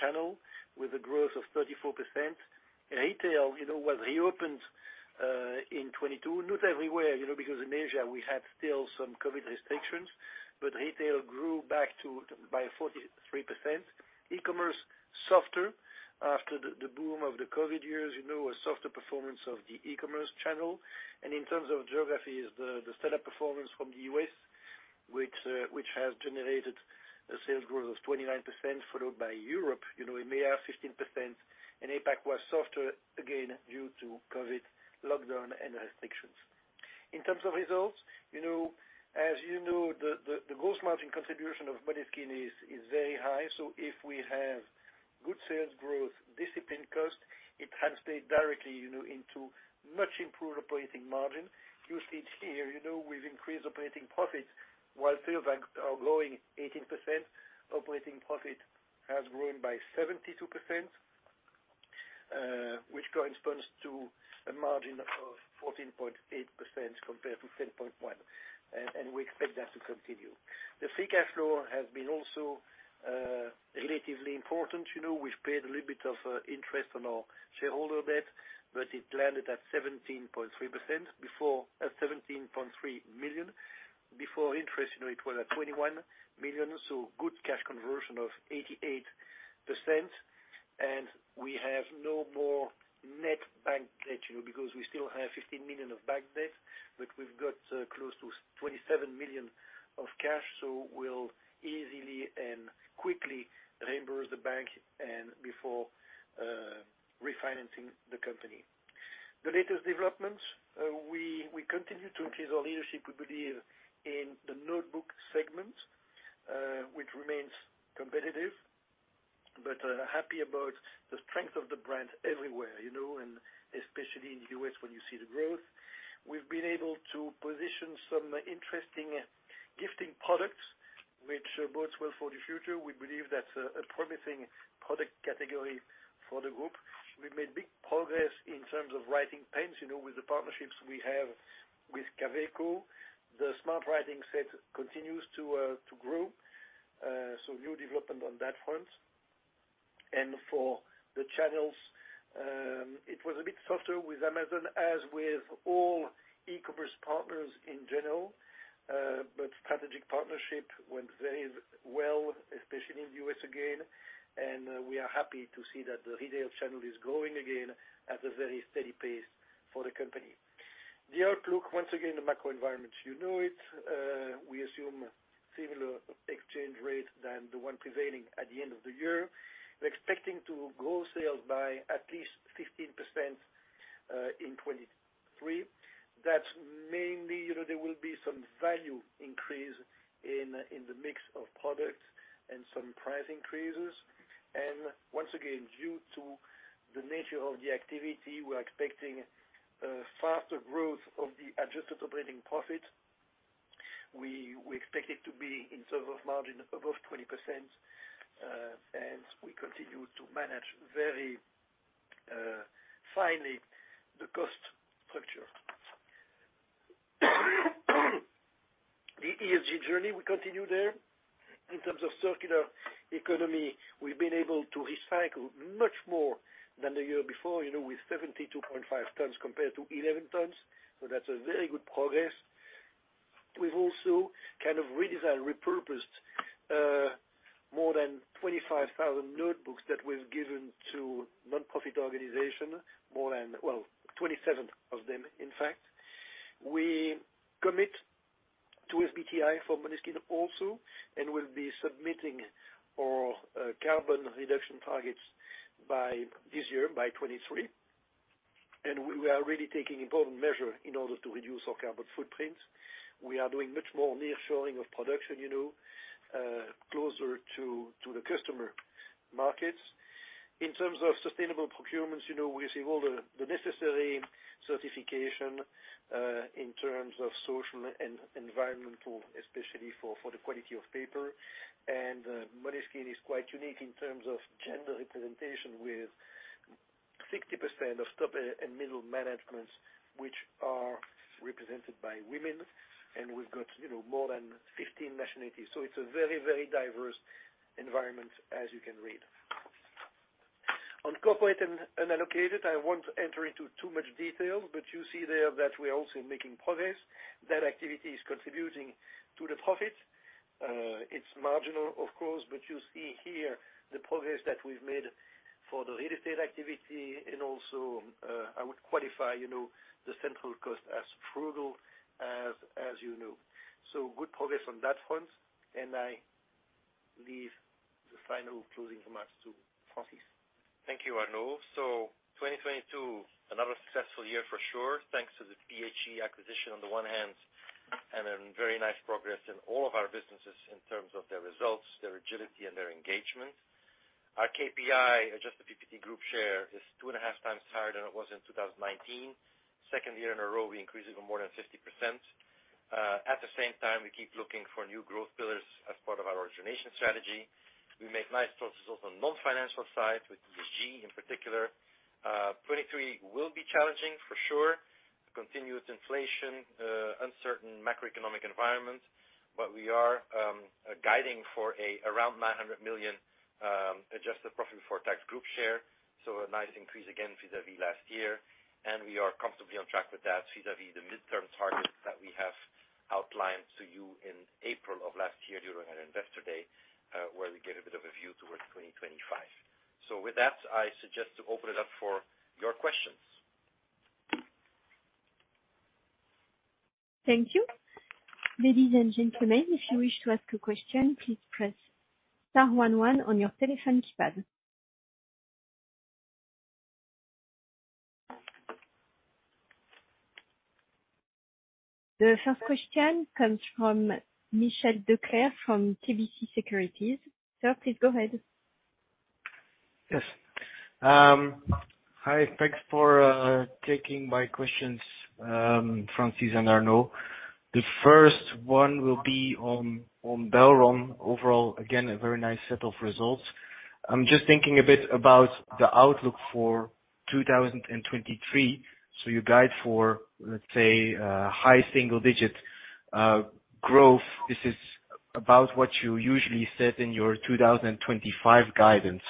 channel with a growth of 34%. Retail, you know, was reopened in 2022, not everywhere, you know, because in Asia we had still some COVID restrictions, retail grew back by 43%. E-commerce softer after the boom of the COVID years, you know, a softer performance of the e-commerce channel. In terms of geographies, the stellar performance from the US which has generated a sales growth of 29%, followed by Europe, you know, EMEA 15%, APAC was softer again due to COVID lockdown and restrictions. In terms of results, you know, as you know, the gross margin contribution of Moleskine is very high. If we have good sales growth, disciplined cost, it translates directly, you know, into much improved operating margin. You see it here, you know, we've increased operating profits while sales are growing 18%, operating profit has grown by 72%, which corresponds to a margin of 14.8% compared to 10.1%, and we expect that to continue. The free cash flow has been also relatively important. You know, we've paid a little bit of interest on our shareholder debt, but it landed at 17.3 million. Before interest, you know, it was at 21 million, so good cash conversion of 88%. We have no more net bank debt, you know, because we still have 15 million of bank debt, but we've got close to 27 million of cash, so we'll easily and quickly reimburse the bank and before refinancing the company. The latest developments, we continue to increase our leadership, we believe in the notebook segment, which remains competitive. Happy about the strength of the brand everywhere, you know, and especially in the U.S. when you see the growth. We've been able to position some interesting gifting products which bodes well for the future. We believe that's a promising product category for the group. We've made big progress in terms of writing pens, you know, with the partnerships we have with Kaweco. The Smart Writing Set continues to grow, so new development on that front. For the channels, it was a bit softer with Amazon, as with all e-commerce partners in general. Strategic partnership went very well, especially in the U.S. again, and we are happy to see that the retail channel is growing again at a very steady pace for the company. The outlook, once again, the macro environment, you know it. We assume similar exchange rate than the one prevailing at the end of the year. We're expecting to grow sales by at least 15% in 2023. That's mainly, you know, there will be some value increase in the mix of products and some price increases. Once again, due to the nature of the activity, we're expecting faster growth of the adjusted operating profit. We expect it to be in terms of margin above 20%, and we continue to manage very finely the cost structure. The ESG journey, we continue there. In terms of circular economy, we've been able to recycle much more than the year before, you know, with 72.5 tons compared to 11 tons, so that's a very good progress. We've also kind of redesigned, repurposed, more than 25,000 notebooks that we've given to nonprofit organization. Well, 27 of them, in fact. We commit to SBTi for Moleskine also. We'll be submitting our carbon reduction targets by this year, by 2023. We are really taking important measure in order to reduce our carbon footprint. We are doing much more nearshoring of production, you know, closer to the customer markets. In terms of sustainable procurements, you know, we receive all the necessary certification in terms of social and environmental, especially for the quality of paper. Moleskine is quite unique in terms of gender representation, with 60% of top and middle managements which are represented by women. We've got, you know, more than 15 nationalities, so it's a very, very diverse environment, as you can read. On corporate and unallocated, I won't enter into too much detail, but you see there that we're also making progress. That activity is contributing to the profit. It's marginal of course, but you see here the progress that we've made for the real estate activity and also, I would qualify, you know, the central cost as frugal, as you know. Good progress on that front. I leave the final closing remarks to Francis. Thank you, Arnaud. 2022, another successful year for sure, thanks to the PHE acquisition on the one hand, and then very nice progress in all of our businesses in terms of their results, their agility and their engagement. Our KPI, Adjusted EBITDA group share, is 2.5x higher than it was in 2019. Second year in a row we increase it more than 50%. At the same time, we keep looking for new growth pillars as part of our origination strategy. We made nice progress also on non-financial side with ESG in particular. 2023 will be challenging for sure. Continuous inflation, uncertain macroeconomic environment, but we are guiding for around 900 million adjusted profit before tax group share. A nice increase again vis-à-vis last year, and we are comfortably on track with that vis-à-vis the midterm target that we have outlined to you in April of last year during our investor day, where we gave a bit of a view towards 2025. With that, I suggest to open it up for your questions. Thank you. Ladies and gentlemen, if you wish to ask a question, please press star one one on your telephone keypad. The first question comes from Michiel Declercq from KBC Securities. Sir, please go ahead. Yes. Hi, thanks for taking my questions, Francis and Arnaud. The first one will be on Belron. Overall, again, a very nice set of results. I'm just thinking a bit about the outlook for 2023. You guide for, let's say, high single digit growth. This is about what you usually said in your 2025 guidance.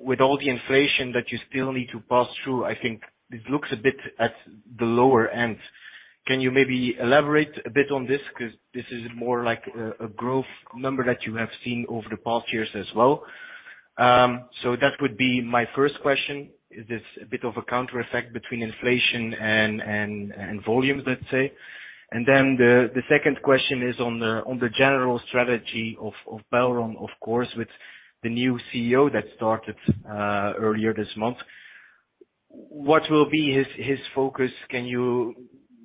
With all the inflation that you still need to pass through, I think it looks a bit at the lower end. Can you maybe elaborate a bit on this? 'Cause this is more like a growth number that you have seen over the past years as well. That would be my first question. Is this a bit of a counter effect between inflation and volume, let's say? Then the second question is on the general strategy of Belron, of course, with the new CEO that started earlier this month. What will be his focus? Can you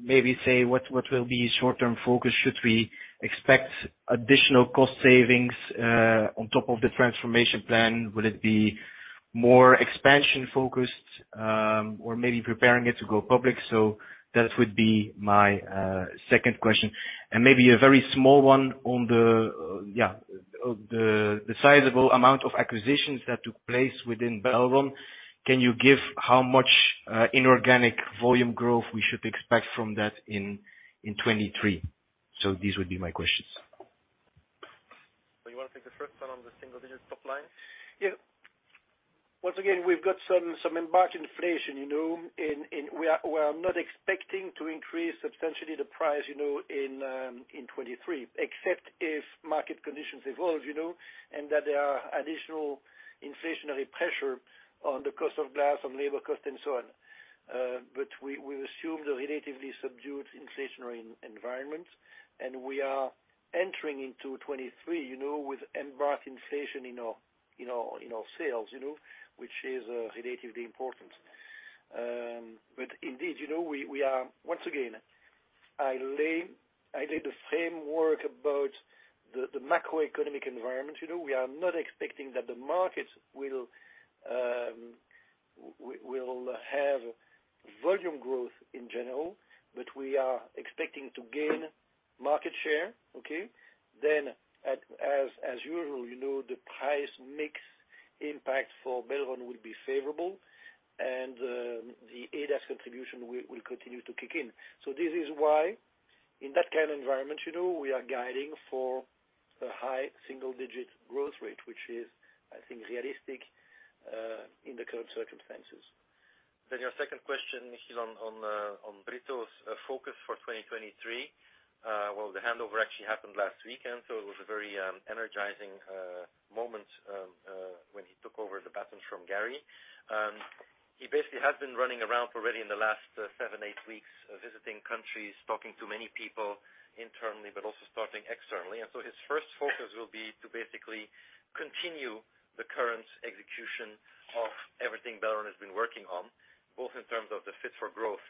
maybe say what will be his short-term focus? Should we expect additional cost savings on top of the transformation plan? Will it be more expansion-focused, or maybe preparing it to go public? That would be my second question. Maybe a very small one on the sizable amount of acquisitions that took place within Belron. Can you give how much inorganic volume growth we should expect from that in 2023? These would be my questions. You wanna take the first one on the single-digit top line? Yeah. Once again, we've got some embarked inflation, you know, in. We are not expecting to increase substantially the price, you know, in 2023, except if market conditions evolve, you know, and that there are additional inflationary pressure on the cost of glass, on labor cost and so on. We assume the relatively subdued inflationary environment, and we are entering into 2023, you know, with embarked inflation in our sales, you know, which is relatively important. Indeed, you know, we are. Once again, I lay the framework about the macroeconomic environment. You know, we are not expecting that the markets will have volume growth in general, but we are expecting to gain market share, okay? As usual, you know, the price mix impact for Belron will be favorable and the ADAS contribution will continue to kick in. This is why, in that kind of environment, you know, we are guiding for a high single-digit growth rate, which is, I think, realistic in the current circumstances. Your second question is on Brito's focus for 2023. Well, the handover actually happened last weekend, so it was a very energizing moment when he took over the baton from Gary. He basically has been running around already in the last seven, eight weeks, visiting countries, talking to many people internally, but also starting externally. His first focus will be to basically continue the current execution of everything Belron has been working on, both in terms of the Fit For Growth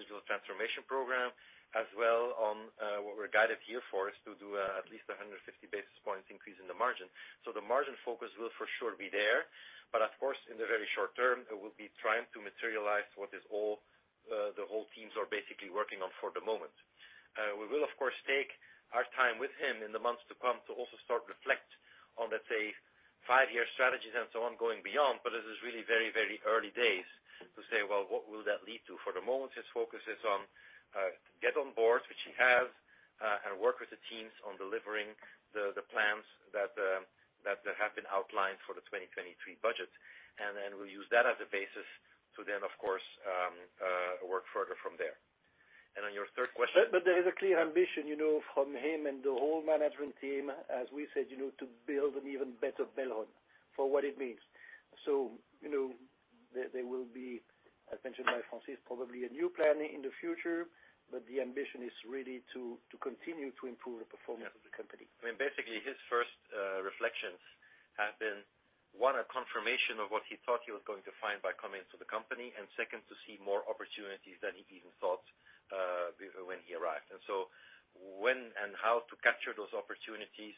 digital transformation program, as well on what we're guided here for, is to do at least a 150 basis points increase in the margin. The margin focus will for sure be there. Of course, in the very short term, it will be trying to materialize what is all the whole teams are basically working on for the moment. We will of course take our time with him in the months to come to also start reflect on, let's say, five-year strategies and so on going beyond, but this is really very, very early days to say, "Well, what will that lead to?" For the moment, his focus is on get on board, which he has, and work with the teams on delivering the plans that have been outlined for the 2023 budget. Then we'll use that as a basis to then, of course, work further from there. On your third question- There is a clear ambition, you know, from him and the whole management team, as we said, you know, to build an even better Belron for what it means. You know, there will be, as mentioned by Francis, probably a new plan in the future, but the ambition is really to continue to improve the performance of the company. I mean, basically, his first reflections have been, one, a confirmation of what he thought he was going to find by coming into the company, and second, to see more opportunities than he even thought before when he arrived. When and how to capture those opportunities,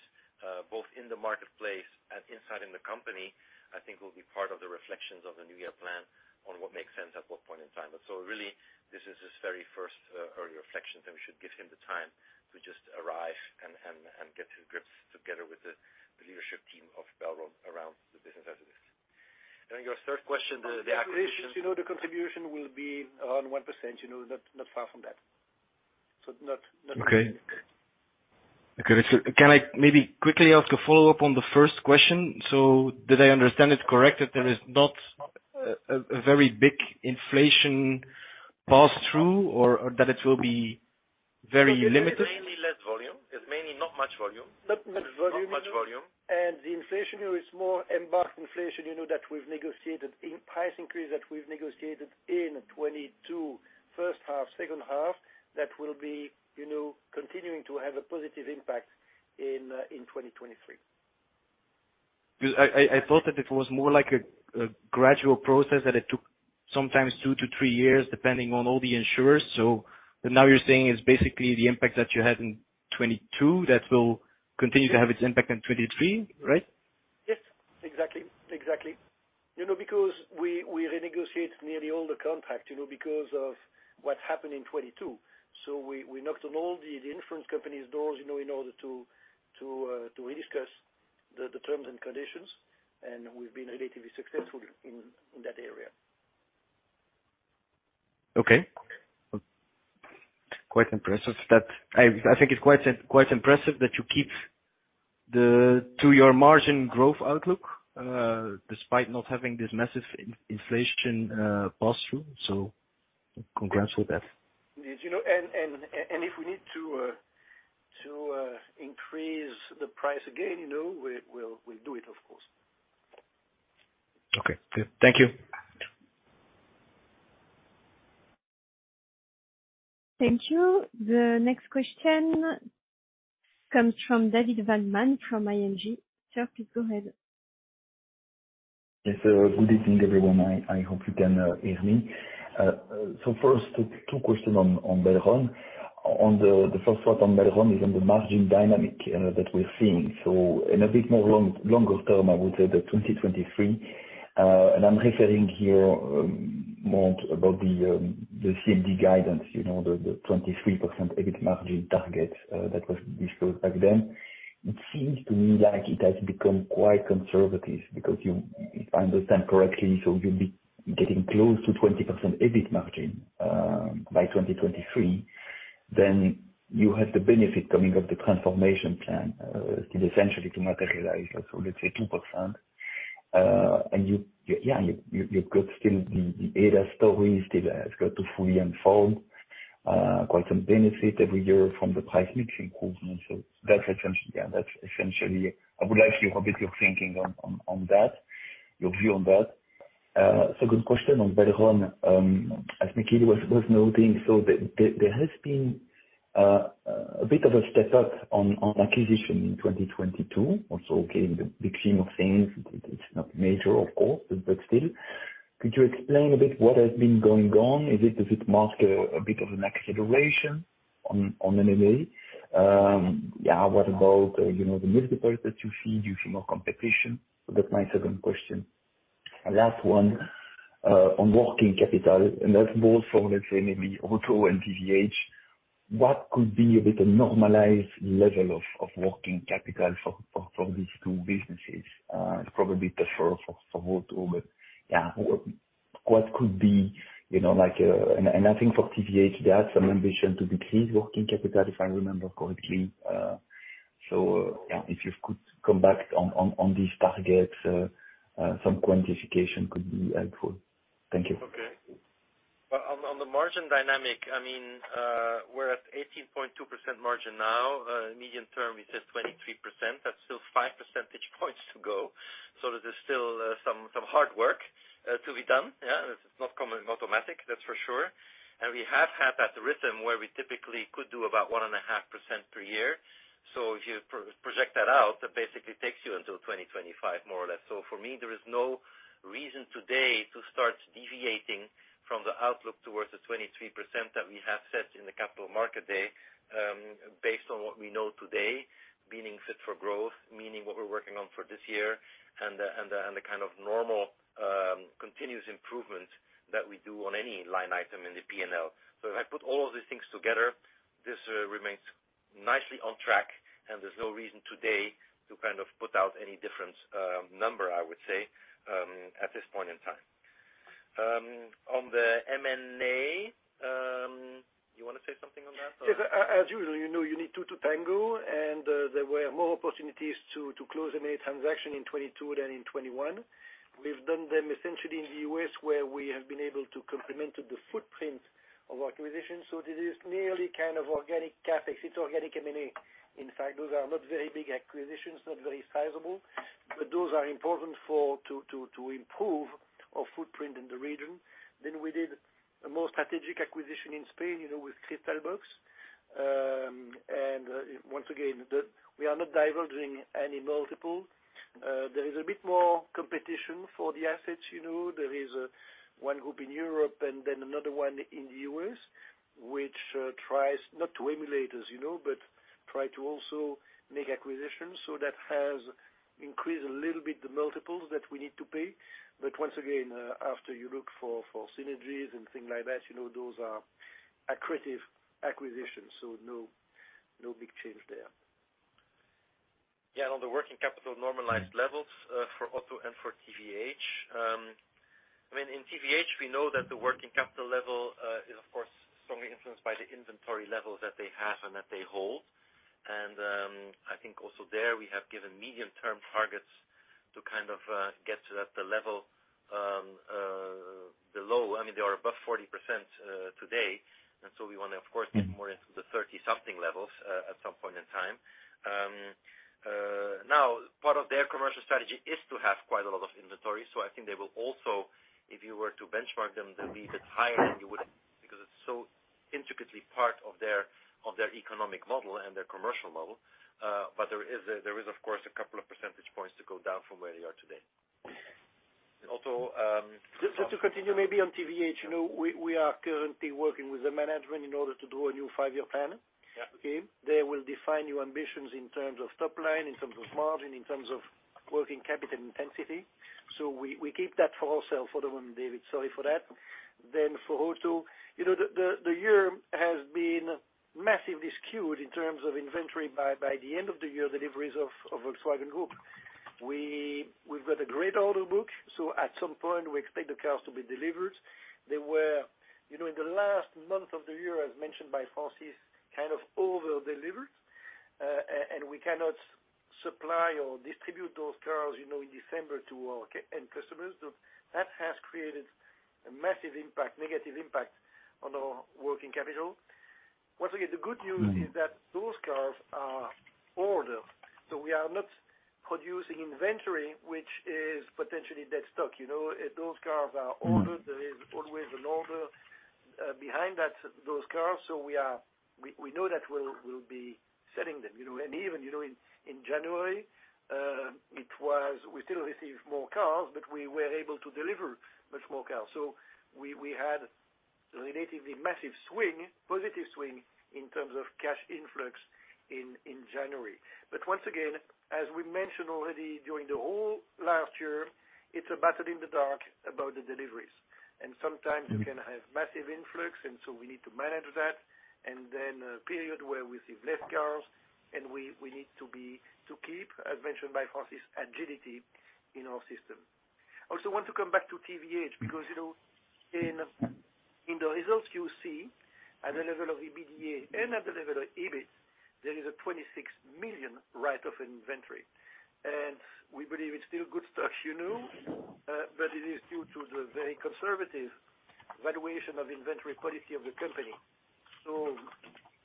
both in the marketplace and inside in the company, I think will be part of the reflections of the new year plan on what makes sense at what point in time. Really, this is his very first early reflections, and we should give him the time to just arrive and get to grips together with the leadership team of Belron around the business as it is. Your third question, the acquisition- The acquisitions, you know, the contribution will be around 1%, you know, not far from that. Okay. Can I maybe quickly ask a follow-up on the first question? Did I understand it correct, that there is not a very big inflation pass-through, or that it will be very limited? It's mainly less volume. It's mainly not much volume. Not much volume. Not much volume. The inflation here is more embarked inflation, you know, that we've negotiated in price increase, that we've negotiated in 2022 first half, second half. That will be, you know, continuing to have a positive impact in 2023. I thought that it was more like a gradual process, that it took sometimes two to three years, depending on all the insurers. Now you're saying it's basically the impact that you had in 2022 that will continue to have its impact in 2023, right? Yes. Exactly. Exactly. You know, because we renegotiate nearly all the contract, you know, because of what happened in 2022. We knocked on all the insurance companies' doors, you know, in order to rediscuss the terms and conditions, and we've been relatively successful in that area. Okay. I think it's quite impressive that you keep to your margin growth outlook despite not having this massive inflation pass-through. Congrats with that. Yes. You know, and if we need to increase the price again, you know, we'll do it of course. Okay. Good. Thank you. Thank you. The next question comes from David Vagman from ING. Sir, please go ahead. Yes. Good evening, everyone. I hope you can hear me. First, two question on Belron. On the first one on Belron is on the margin dynamic that we're seeing. In a bit more longer term, I would say that 2023, and I'm referring here more about the CMD guidance, you know, the 23% EBIT margin target that was disclosed back then. It seems to me like it has become quite conservative because if I understand correctly, you'll be getting close to 20% EBIT margin by 2023. You have the benefit coming of the transformation plan essentially to materialize that. Let's say 2%. And you've got still the ADAS story still has got to fully unfold, quite some benefit every year from the price mixing improvement. That's essentially, I would like to hear a bit of your thinking on that, your view on that. Second question on Belron, as Michiel was noting, there has been a bit of a step up on acquisition in 2022. In the big scheme of things, it's not major of course, but still. Could you explain a bit what has been going on? Is it, does it mark a bit of an acceleration on M&A? What about, you know, the mix effect that you see due to more competition? That's my second question. Last one, on working capital, and that's both for, let's say maybe Auto and TVH, what could be a bit a normalized level of working capital for from these two businesses? It's probably preferred for Auto. Yeah, what could be, you know, like. I think for TVH, they had some ambition to decrease working capital, if I remember correctly. Yeah, if you could come back on these targets, some quantification could be helpful. Thank you. Okay. On the margin dynamic, I mean, we're at 18.2% margin now. Medium term is at 23%. That's still 5 percentage points to go. There's still some hard work to be done. Yeah. It's not automatic, that's for sure. We have had that rhythm where we typically could do about 1.5% per year. If you project that out, that basically takes you until 2025 more or less. For me, there is no reason today to start deviating from the outlook towards the 23% that we have set in the capital market day, based on what we know today, meaning Fit for Growth, meaning what we're working on for this year and the kind of normal, continuous improvement that we do on any line item in the P&L. If I put all of these things together, this remains nicely on track, and there's no reason today to kind of put out any different number, I would say, at this point in time. On the M&A, you wanna say something on that or? Yes. As usual, you know, you need two to tango. There were more opportunities to close M&A transaction in 2022 than in 2021. We've done them essentially in the U.S. where we have been able to complement the footprint of our acquisition. This is merely kind of organic CapEx. It's organic M&A, in fact. Those are not very big acquisitions, not very sizable. Those are important for to improve our footprint in the region. We did a more strategic acquisition in Spain, you know, with Cristalbox. Once again, we are not divulging any multiple. There is a bit more competition for the assets, you know. There is one group in Europe and then another one in the US which tries not to emulate us, you know, but try to also make acquisitions. That has increased a little bit the multiples that we need to pay. Once again, after you look for synergies and things like that, you know, those are accretive acquisitions. No, no big change there. Yeah, on the working capital normalized levels for Auto and for TVH. I mean, in TVH, we know that the working capital level is of course, strongly influenced by the inventory levels that they have and that they hold. I think also there we have given medium-term targets to kind of get to that, the level, the low. I mean, they are above 40% today. We wanna, of course, get more into the 30 something levels at some point in time. Now, part of their commercial strategy is to have quite a lot of inventory. I think they will also, if you were to benchmark them, they'll be a bit higher than you would, because it's so intricately part of their, of their economic model and their commercial model. There is, of course, a couple of percentage points to go down from where they are today. Also, Just to continue, maybe on TVH, you know, we are currently working with the management in order to do a new five-year plan. Yeah. Okay? They will define new ambitions in terms of top line, in terms of margin, in terms of working capital intensity. We keep that for ourselves for the moment, David. Sorry for that. For Auto, you know, the year has been massively skewed in terms of inventory by the end of the year deliveries of Volkswagen Group. We've got a great order book, so at some point, we expect the cars to be delivered. They were, you know, in the last month of the year, as mentioned by Francis, kind of over-delivered. And we cannot supply or distribute those cars, you know, in December to our end customers. That has created a massive impact, negative impact on our working capital. Once again, the good news is that those cars are older, so we are not producing inventory, which is potentially dead stock. You know, if those cars are older, there is always an order behind that, those cars. We know that we'll be selling them. You know, even, you know, in January, we still receive more cars, but we were able to deliver much more cars. We had a relatively massive swing, positive swing in terms of cash influx in January. Once again, as we mentioned already during the whole last year, it's a battle in the dark about the deliveries. Sometimes you can have massive influx, and so we need to manage that. A period where we see less cars, we need to be, to keep, as mentioned by Francis, agility in our system. Want to come back to TVH, because, you know, in the results you see at the level of EBITDA and at the level of EBIT, there is a 26 million write-off inventory. We believe it's still good stuff, you know, but it is due to the very conservative valuation of inventory quality of the company.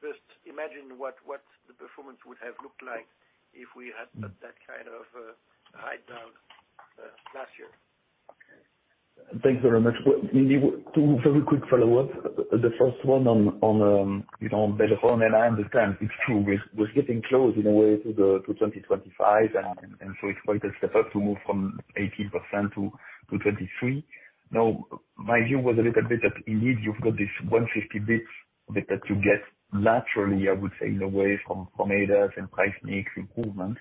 Just imagine what the performance would have looked like if we had not that kind of write down last year. Thanks very much. Well, indeed, two very quick follow-ups. The first one on, you know, Belron. I understand it's true, it was getting close in a way to 2025. It's quite a step up to move from 18%-23%. My view was a little bit that indeed you've got this 150 bits that you get naturally, I would say, in a way, from ADAS and price mix improvement.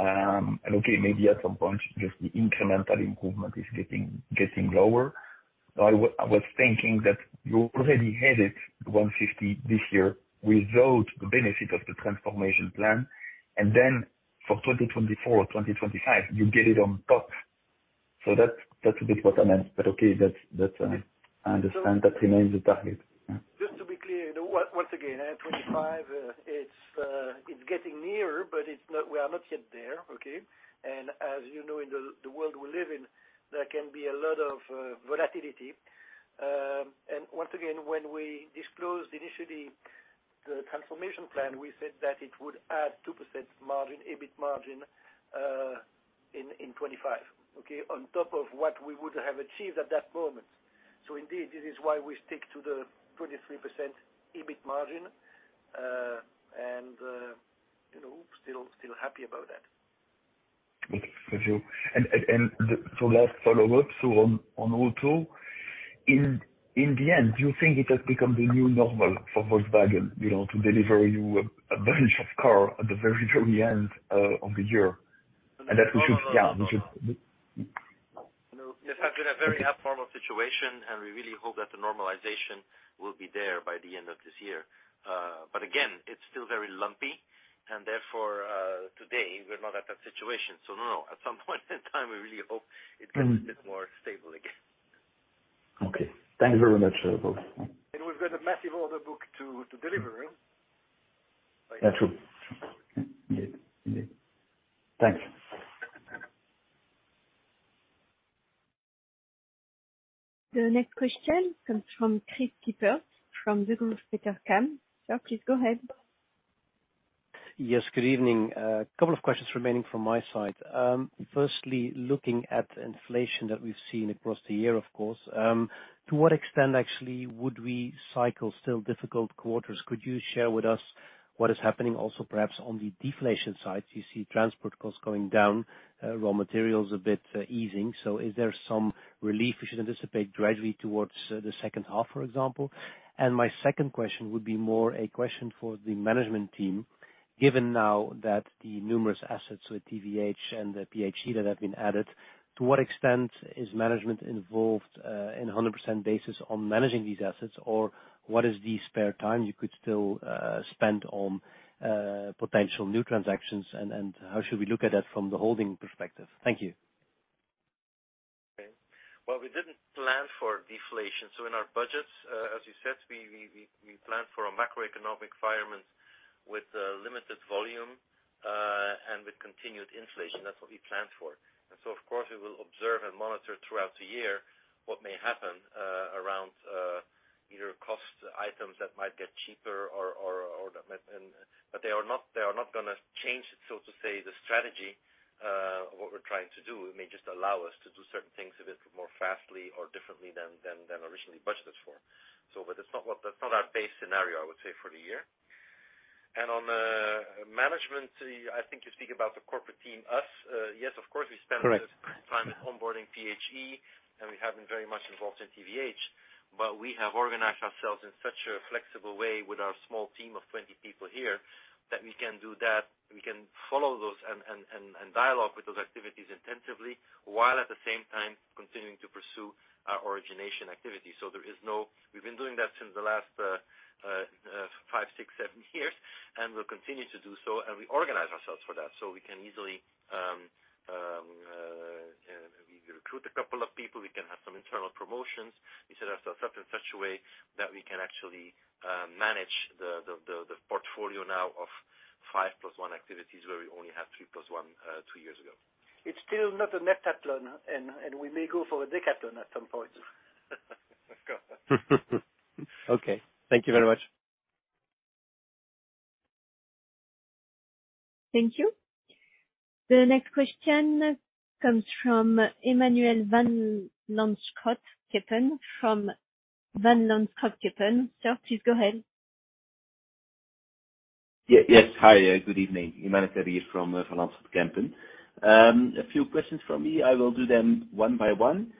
Okay, maybe at some point, just the incremental improvement is getting lower. I was thinking that you already had it, 150 this year, without the benefit of the transformation plan. For 2024, 2025, you get it on top. That's, I understand that remains the target. Just to be clear, you know, once again, at 2025, it's getting nearer, but it's not, we are not yet there, okay. As you know, in the world we live in, there can be a lot of volatility. Once again, when we disclosed initially the transformation plan, we said that it would add 2% margin, EBIT margin, in 2025, okay. On top of what we would have achieved at that moment. Indeed, this is why we stick to the 23% EBIT margin, and, you know, still happy about that. Okay. Thank you. Last follow-up, so on Auto. In the end, do you think it has become the new normal for Volkswagen, you know, to deliver you a bunch of car at the very end of the year? That we should. This has been a very abnormal situation, and we really hope that the normalization will be there by the end of this year. Again, it's still very lumpy, and therefore, today we're not at that situation. No. At some point in time, we really hope it gets a bit more stable again. Okay. Thank you very much, both. We've got a massive order book to deliver, right? Yeah, true. Indeed. Indeed. Thank you. The next question comes from Kris Kippers from Degroof Petercam. Sir, please go ahead. Yes, good evening. A couple of questions remaining from my side. Firstly, looking at inflation that we've seen across the year, of course. To what extent actually would we cycle still difficult quarters? Could you share with us what is happening also, perhaps on the deflation side? You see transport costs going down, raw materials a bit easing. Is there some relief we should anticipate gradually towards the second half, for example? My second question would be more a question for the management team. Given now that the numerous assets with TVH and the PHE that have been added, to what extent is management involved in a 100% basis on managing these assets? Or what is the spare time you could still spend on potential new transactions? How should we look at that from the holding perspective? Thank you. We didn't plan for deflation. In our budgets, as you said, we plan for a macroeconomic environment with limited volume and with continued inflation. That's what we planned for. Of course, we will observe and monitor throughout the year what may happen around either cost items that might get cheaper or. They are not gonna change, so to say, the strategy of what we're trying to do. It may just allow us to do certain things a bit more fastly or differently than originally budgeted for. That's not our base scenario, I would say, for the year. On the management, I think you're speaking about the corporate team, us. Yes, of course, we spent- Correct. Time onboarding PHE, we have been very much involved in TVH. We have organized ourselves in such a flexible way with our small team of 20 people here that we can do that. We can follow those and dialogue with those activities intensively, while at the same time continuing to pursue our origination activity. We've been doing that since the last, five, six, seven years, and we'll continue to do so, and we organize ourselves for that. We can easily, we recruit a couple of people, we can have some internal promotions. We set ourselves up in such a way that we can actually, manage the portfolio now of five plus one activities, where we only have three plus one, two years ago. It's still not a heptathlon, and we may go for a decathlon at some point. Of course. Okay. Thank you very much. Thank you. The next question comes from Emmanuel Van Lanschot Kempen from Van Lanschot Kempen. Sir, please go ahead. Yes. Hi. Good evening. Emmanuel here from Van Lanschot Kempen. A few questions from me. I will do them one by one.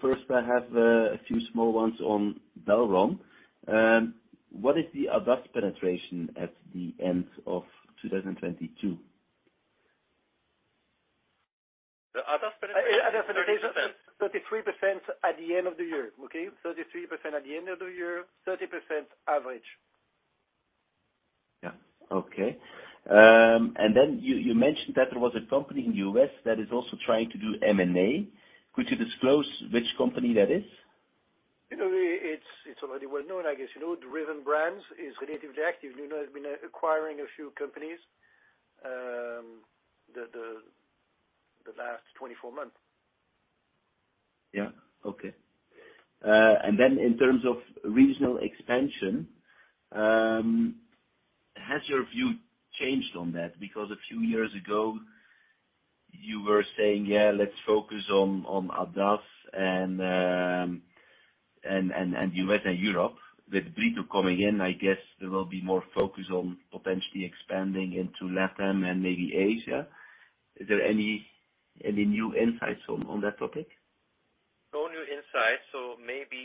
First, I have a few small ones on Belron. What is the ADAS penetration at the end of 2022? The ADAS penetration- ADAS penetration, 33% at the end of the year. Okay? 33% at the end of the year, 30% average. Yeah. Okay. You mentioned that there was a company in the U.S. that is also trying to do M&A. Could you disclose which company that is? You know, it's already well-known, I guess. You know, Driven Brands is relatively active. You know it's been acquiring a few companies, the last 24 months. Okay. In terms of regional expansion, has your view changed on that? Because a few years ago you were saying, "Yeah, let's focus on ADAS and U.S. and Europe." With Brito coming in, I guess there will be more focus on potentially expanding into LATAM and maybe Asia. Is there any new insights on that topic? No new insights, so maybe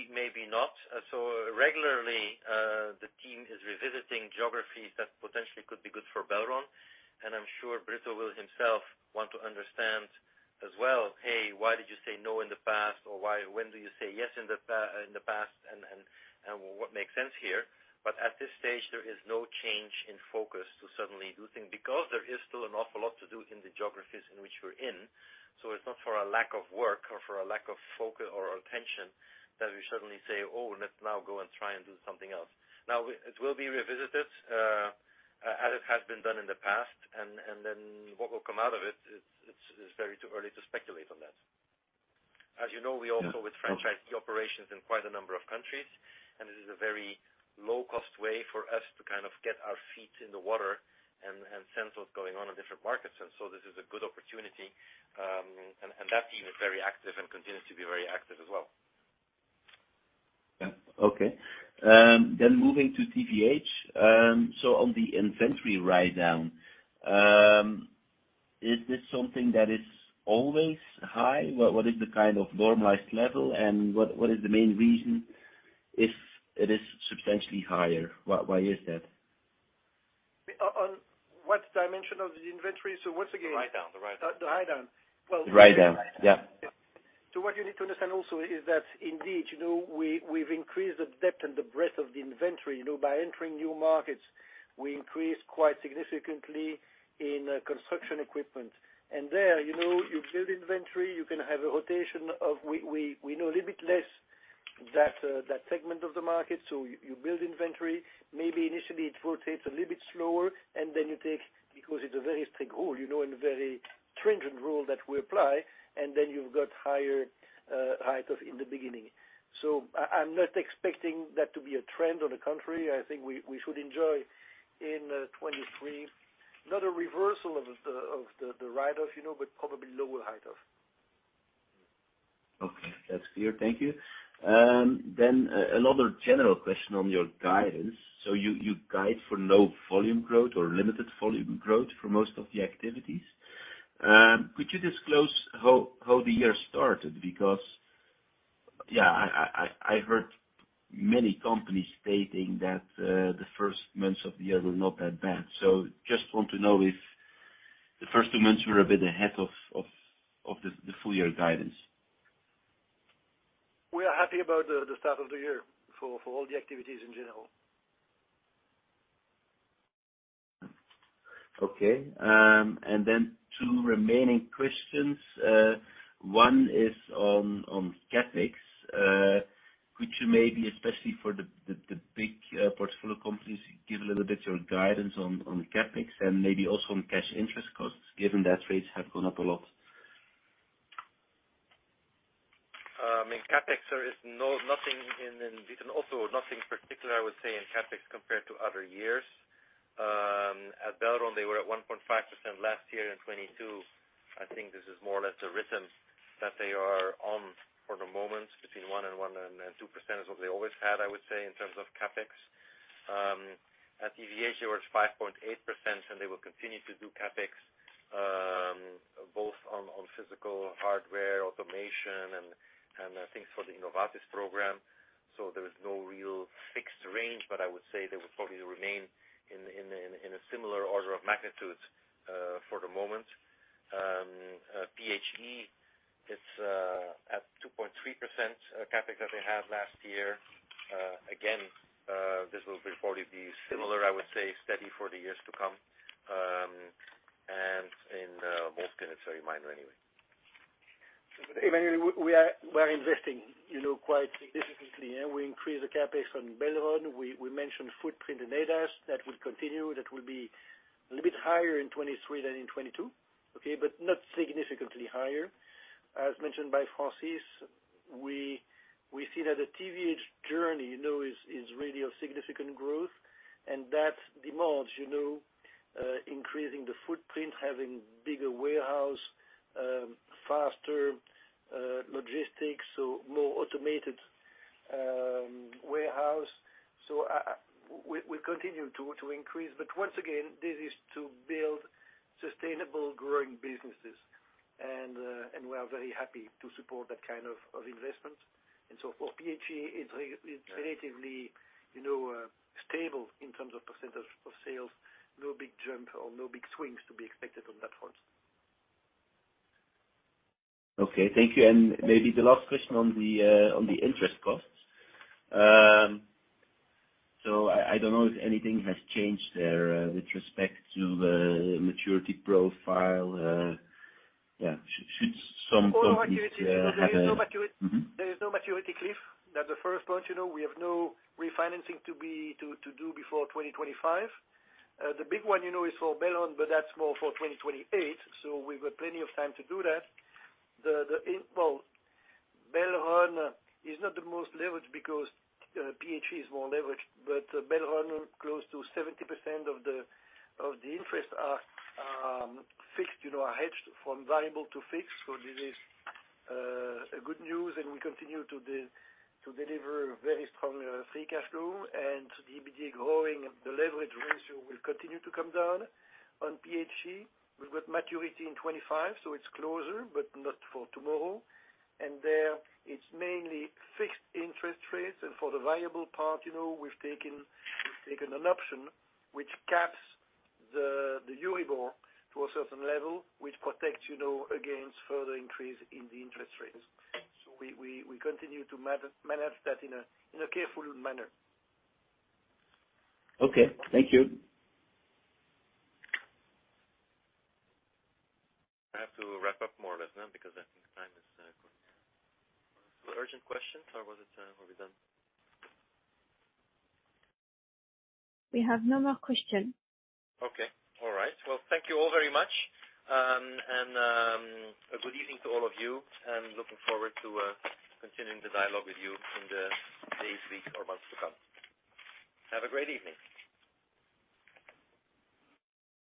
not. Regularly, the team is revisiting geographies that potentially could be good for Belron, and I'm sure Brito will himself want to understand as well, "Hey, why did you say no in the past, or when do you say yes in the past, and what makes sense here?" At this stage, there is no change in focus to suddenly do things because there is still an awful lot to do in the geographies in which we're in. It's not for a lack of work or for a lack of focus or attention that we suddenly say, "Oh, let's now go and try and do something else." It will be revisited as it has been done in the past, and then what will come out of it's very too early to speculate on that. As you know, we also with franchisee operations in quite a number of countries, and it is a very low-cost way for us to kind of get our feet in the water and sense what's going on in different markets. This is a good opportunity, and that team is very active and continues to be very active as well. Yeah. Okay. Moving to TVH. On the inventory write-down, is this something that is always high? What is the kind of normalized level, and what is the main reason if it is substantially higher? Why, why is that? On what dimension of the inventory? The write-down. The write-down. The write-down. Yeah. What you need to understand also is that indeed, you know, we've increased the depth and the breadth of the inventory. You know, by entering new markets, we increased quite significantly in construction equipment. There, you know, you build inventory, you can have a rotation of we know a little bit less that segment of the market. You build inventory. Maybe initially it rotates a little bit slower, and then you take, because it's a very strict rule, you know, and a very stringent rule that we apply, and then you've got higher write-off in the beginning. I'm not expecting that to be a trend on the contrary. I think we should enjoy in 2023, not a reversal of the write-off, you know, but probably lower write-off. Okay. That's clear. Thank you. Another general question on your guidance. You guide for low volume growth or limited volume growth for most of the activities. Could you disclose how the year started? I heard many companies stating that the first months of the year were not that bad. I just want to know if the first two months were a bit ahead of the full year guidance. We are happy about the start of the year for all the activities in general. Okay. Two remaining questions. One is on CapEx. Could you maybe, especially for the big portfolio companies, give a little bit your guidance on CapEx and maybe also on cash interest costs, given that rates have gone up a lot. In CapEx, there is nothing particular, I would say, in CapEx compared to other years. At Belron, they were at 1.5% last year in 2022. I think this is more or less the rhythm that they are on for the moment, between 1% and 2% is what they always had, I would say, in terms of CapEx. At TVH, it was 5.8%, and they will continue to do CapEx, both on physical hardware, automation and I think for the Innovatis program. There is no real fixed range, but I would say they will probably remain in a similar order of magnitude for the moment. PHE, it's at 2.3% CapEx that they had last year. Again, this will probably be similar, I would say, steady for the years to come. In Moleskine, it's very minor anyway. Emmanuel, we are investing, you know, quite significantly, and we increase the CapEx on Belron. We mentioned footprint in ADAS. That will continue. That will be a little bit higher in 2023 than in 2022, okay, but not significantly higher. As mentioned by Francis, we see that the TVH journey, you know, is really of significant growth, and that demands, you know, increasing the footprint, having bigger warehouse, faster logistics, so more automated warehouse. We continue to increase. Once again, this is to build sustainable growing businesses, and we are very happy to support that kind of investment. For PHE, it's relatively, you know, stable in terms of percentage of sales. No big jump or no big swings to be expected on that front. Okay, thank you. Maybe the last question on the interest costs. I don't know if anything has changed there with respect to the maturity profile. Yeah. Should some companies, There is no maturity cliff. That the first point, you know. We have no refinancing to do before 2025. The big one, you know, is for Belron, but that's more for 2028, so we've got plenty of time to do that. Well, Belron is not the most leveraged because PHE is more leveraged, but Belron, close to 70% of the interest are fixed, you know, are hedged from variable to fixed. This is a good news, and we continue to deliver very strong free cash flow. EBITDA growing, the leverage ratio will continue to come down. On PHE, we've got maturity in 2025, so it's closer, but not for tomorrow. There, it's mainly fixed interest rates. For the variable part, you know, we've taken an option which caps the Euribor to a certain level, which protects, you know, against further increase in the interest rates. We continue to manage that in a careful manner. Okay, thank you. I have to wrap up more or less now because I think time is going. Urgent questions, or was it, we're done? We have no more question. Okay. All right. Well, thank you all very much. A good evening to all of you, and looking forward to continuing the dialogue with you in the days, weeks or months to come. Have a great evening.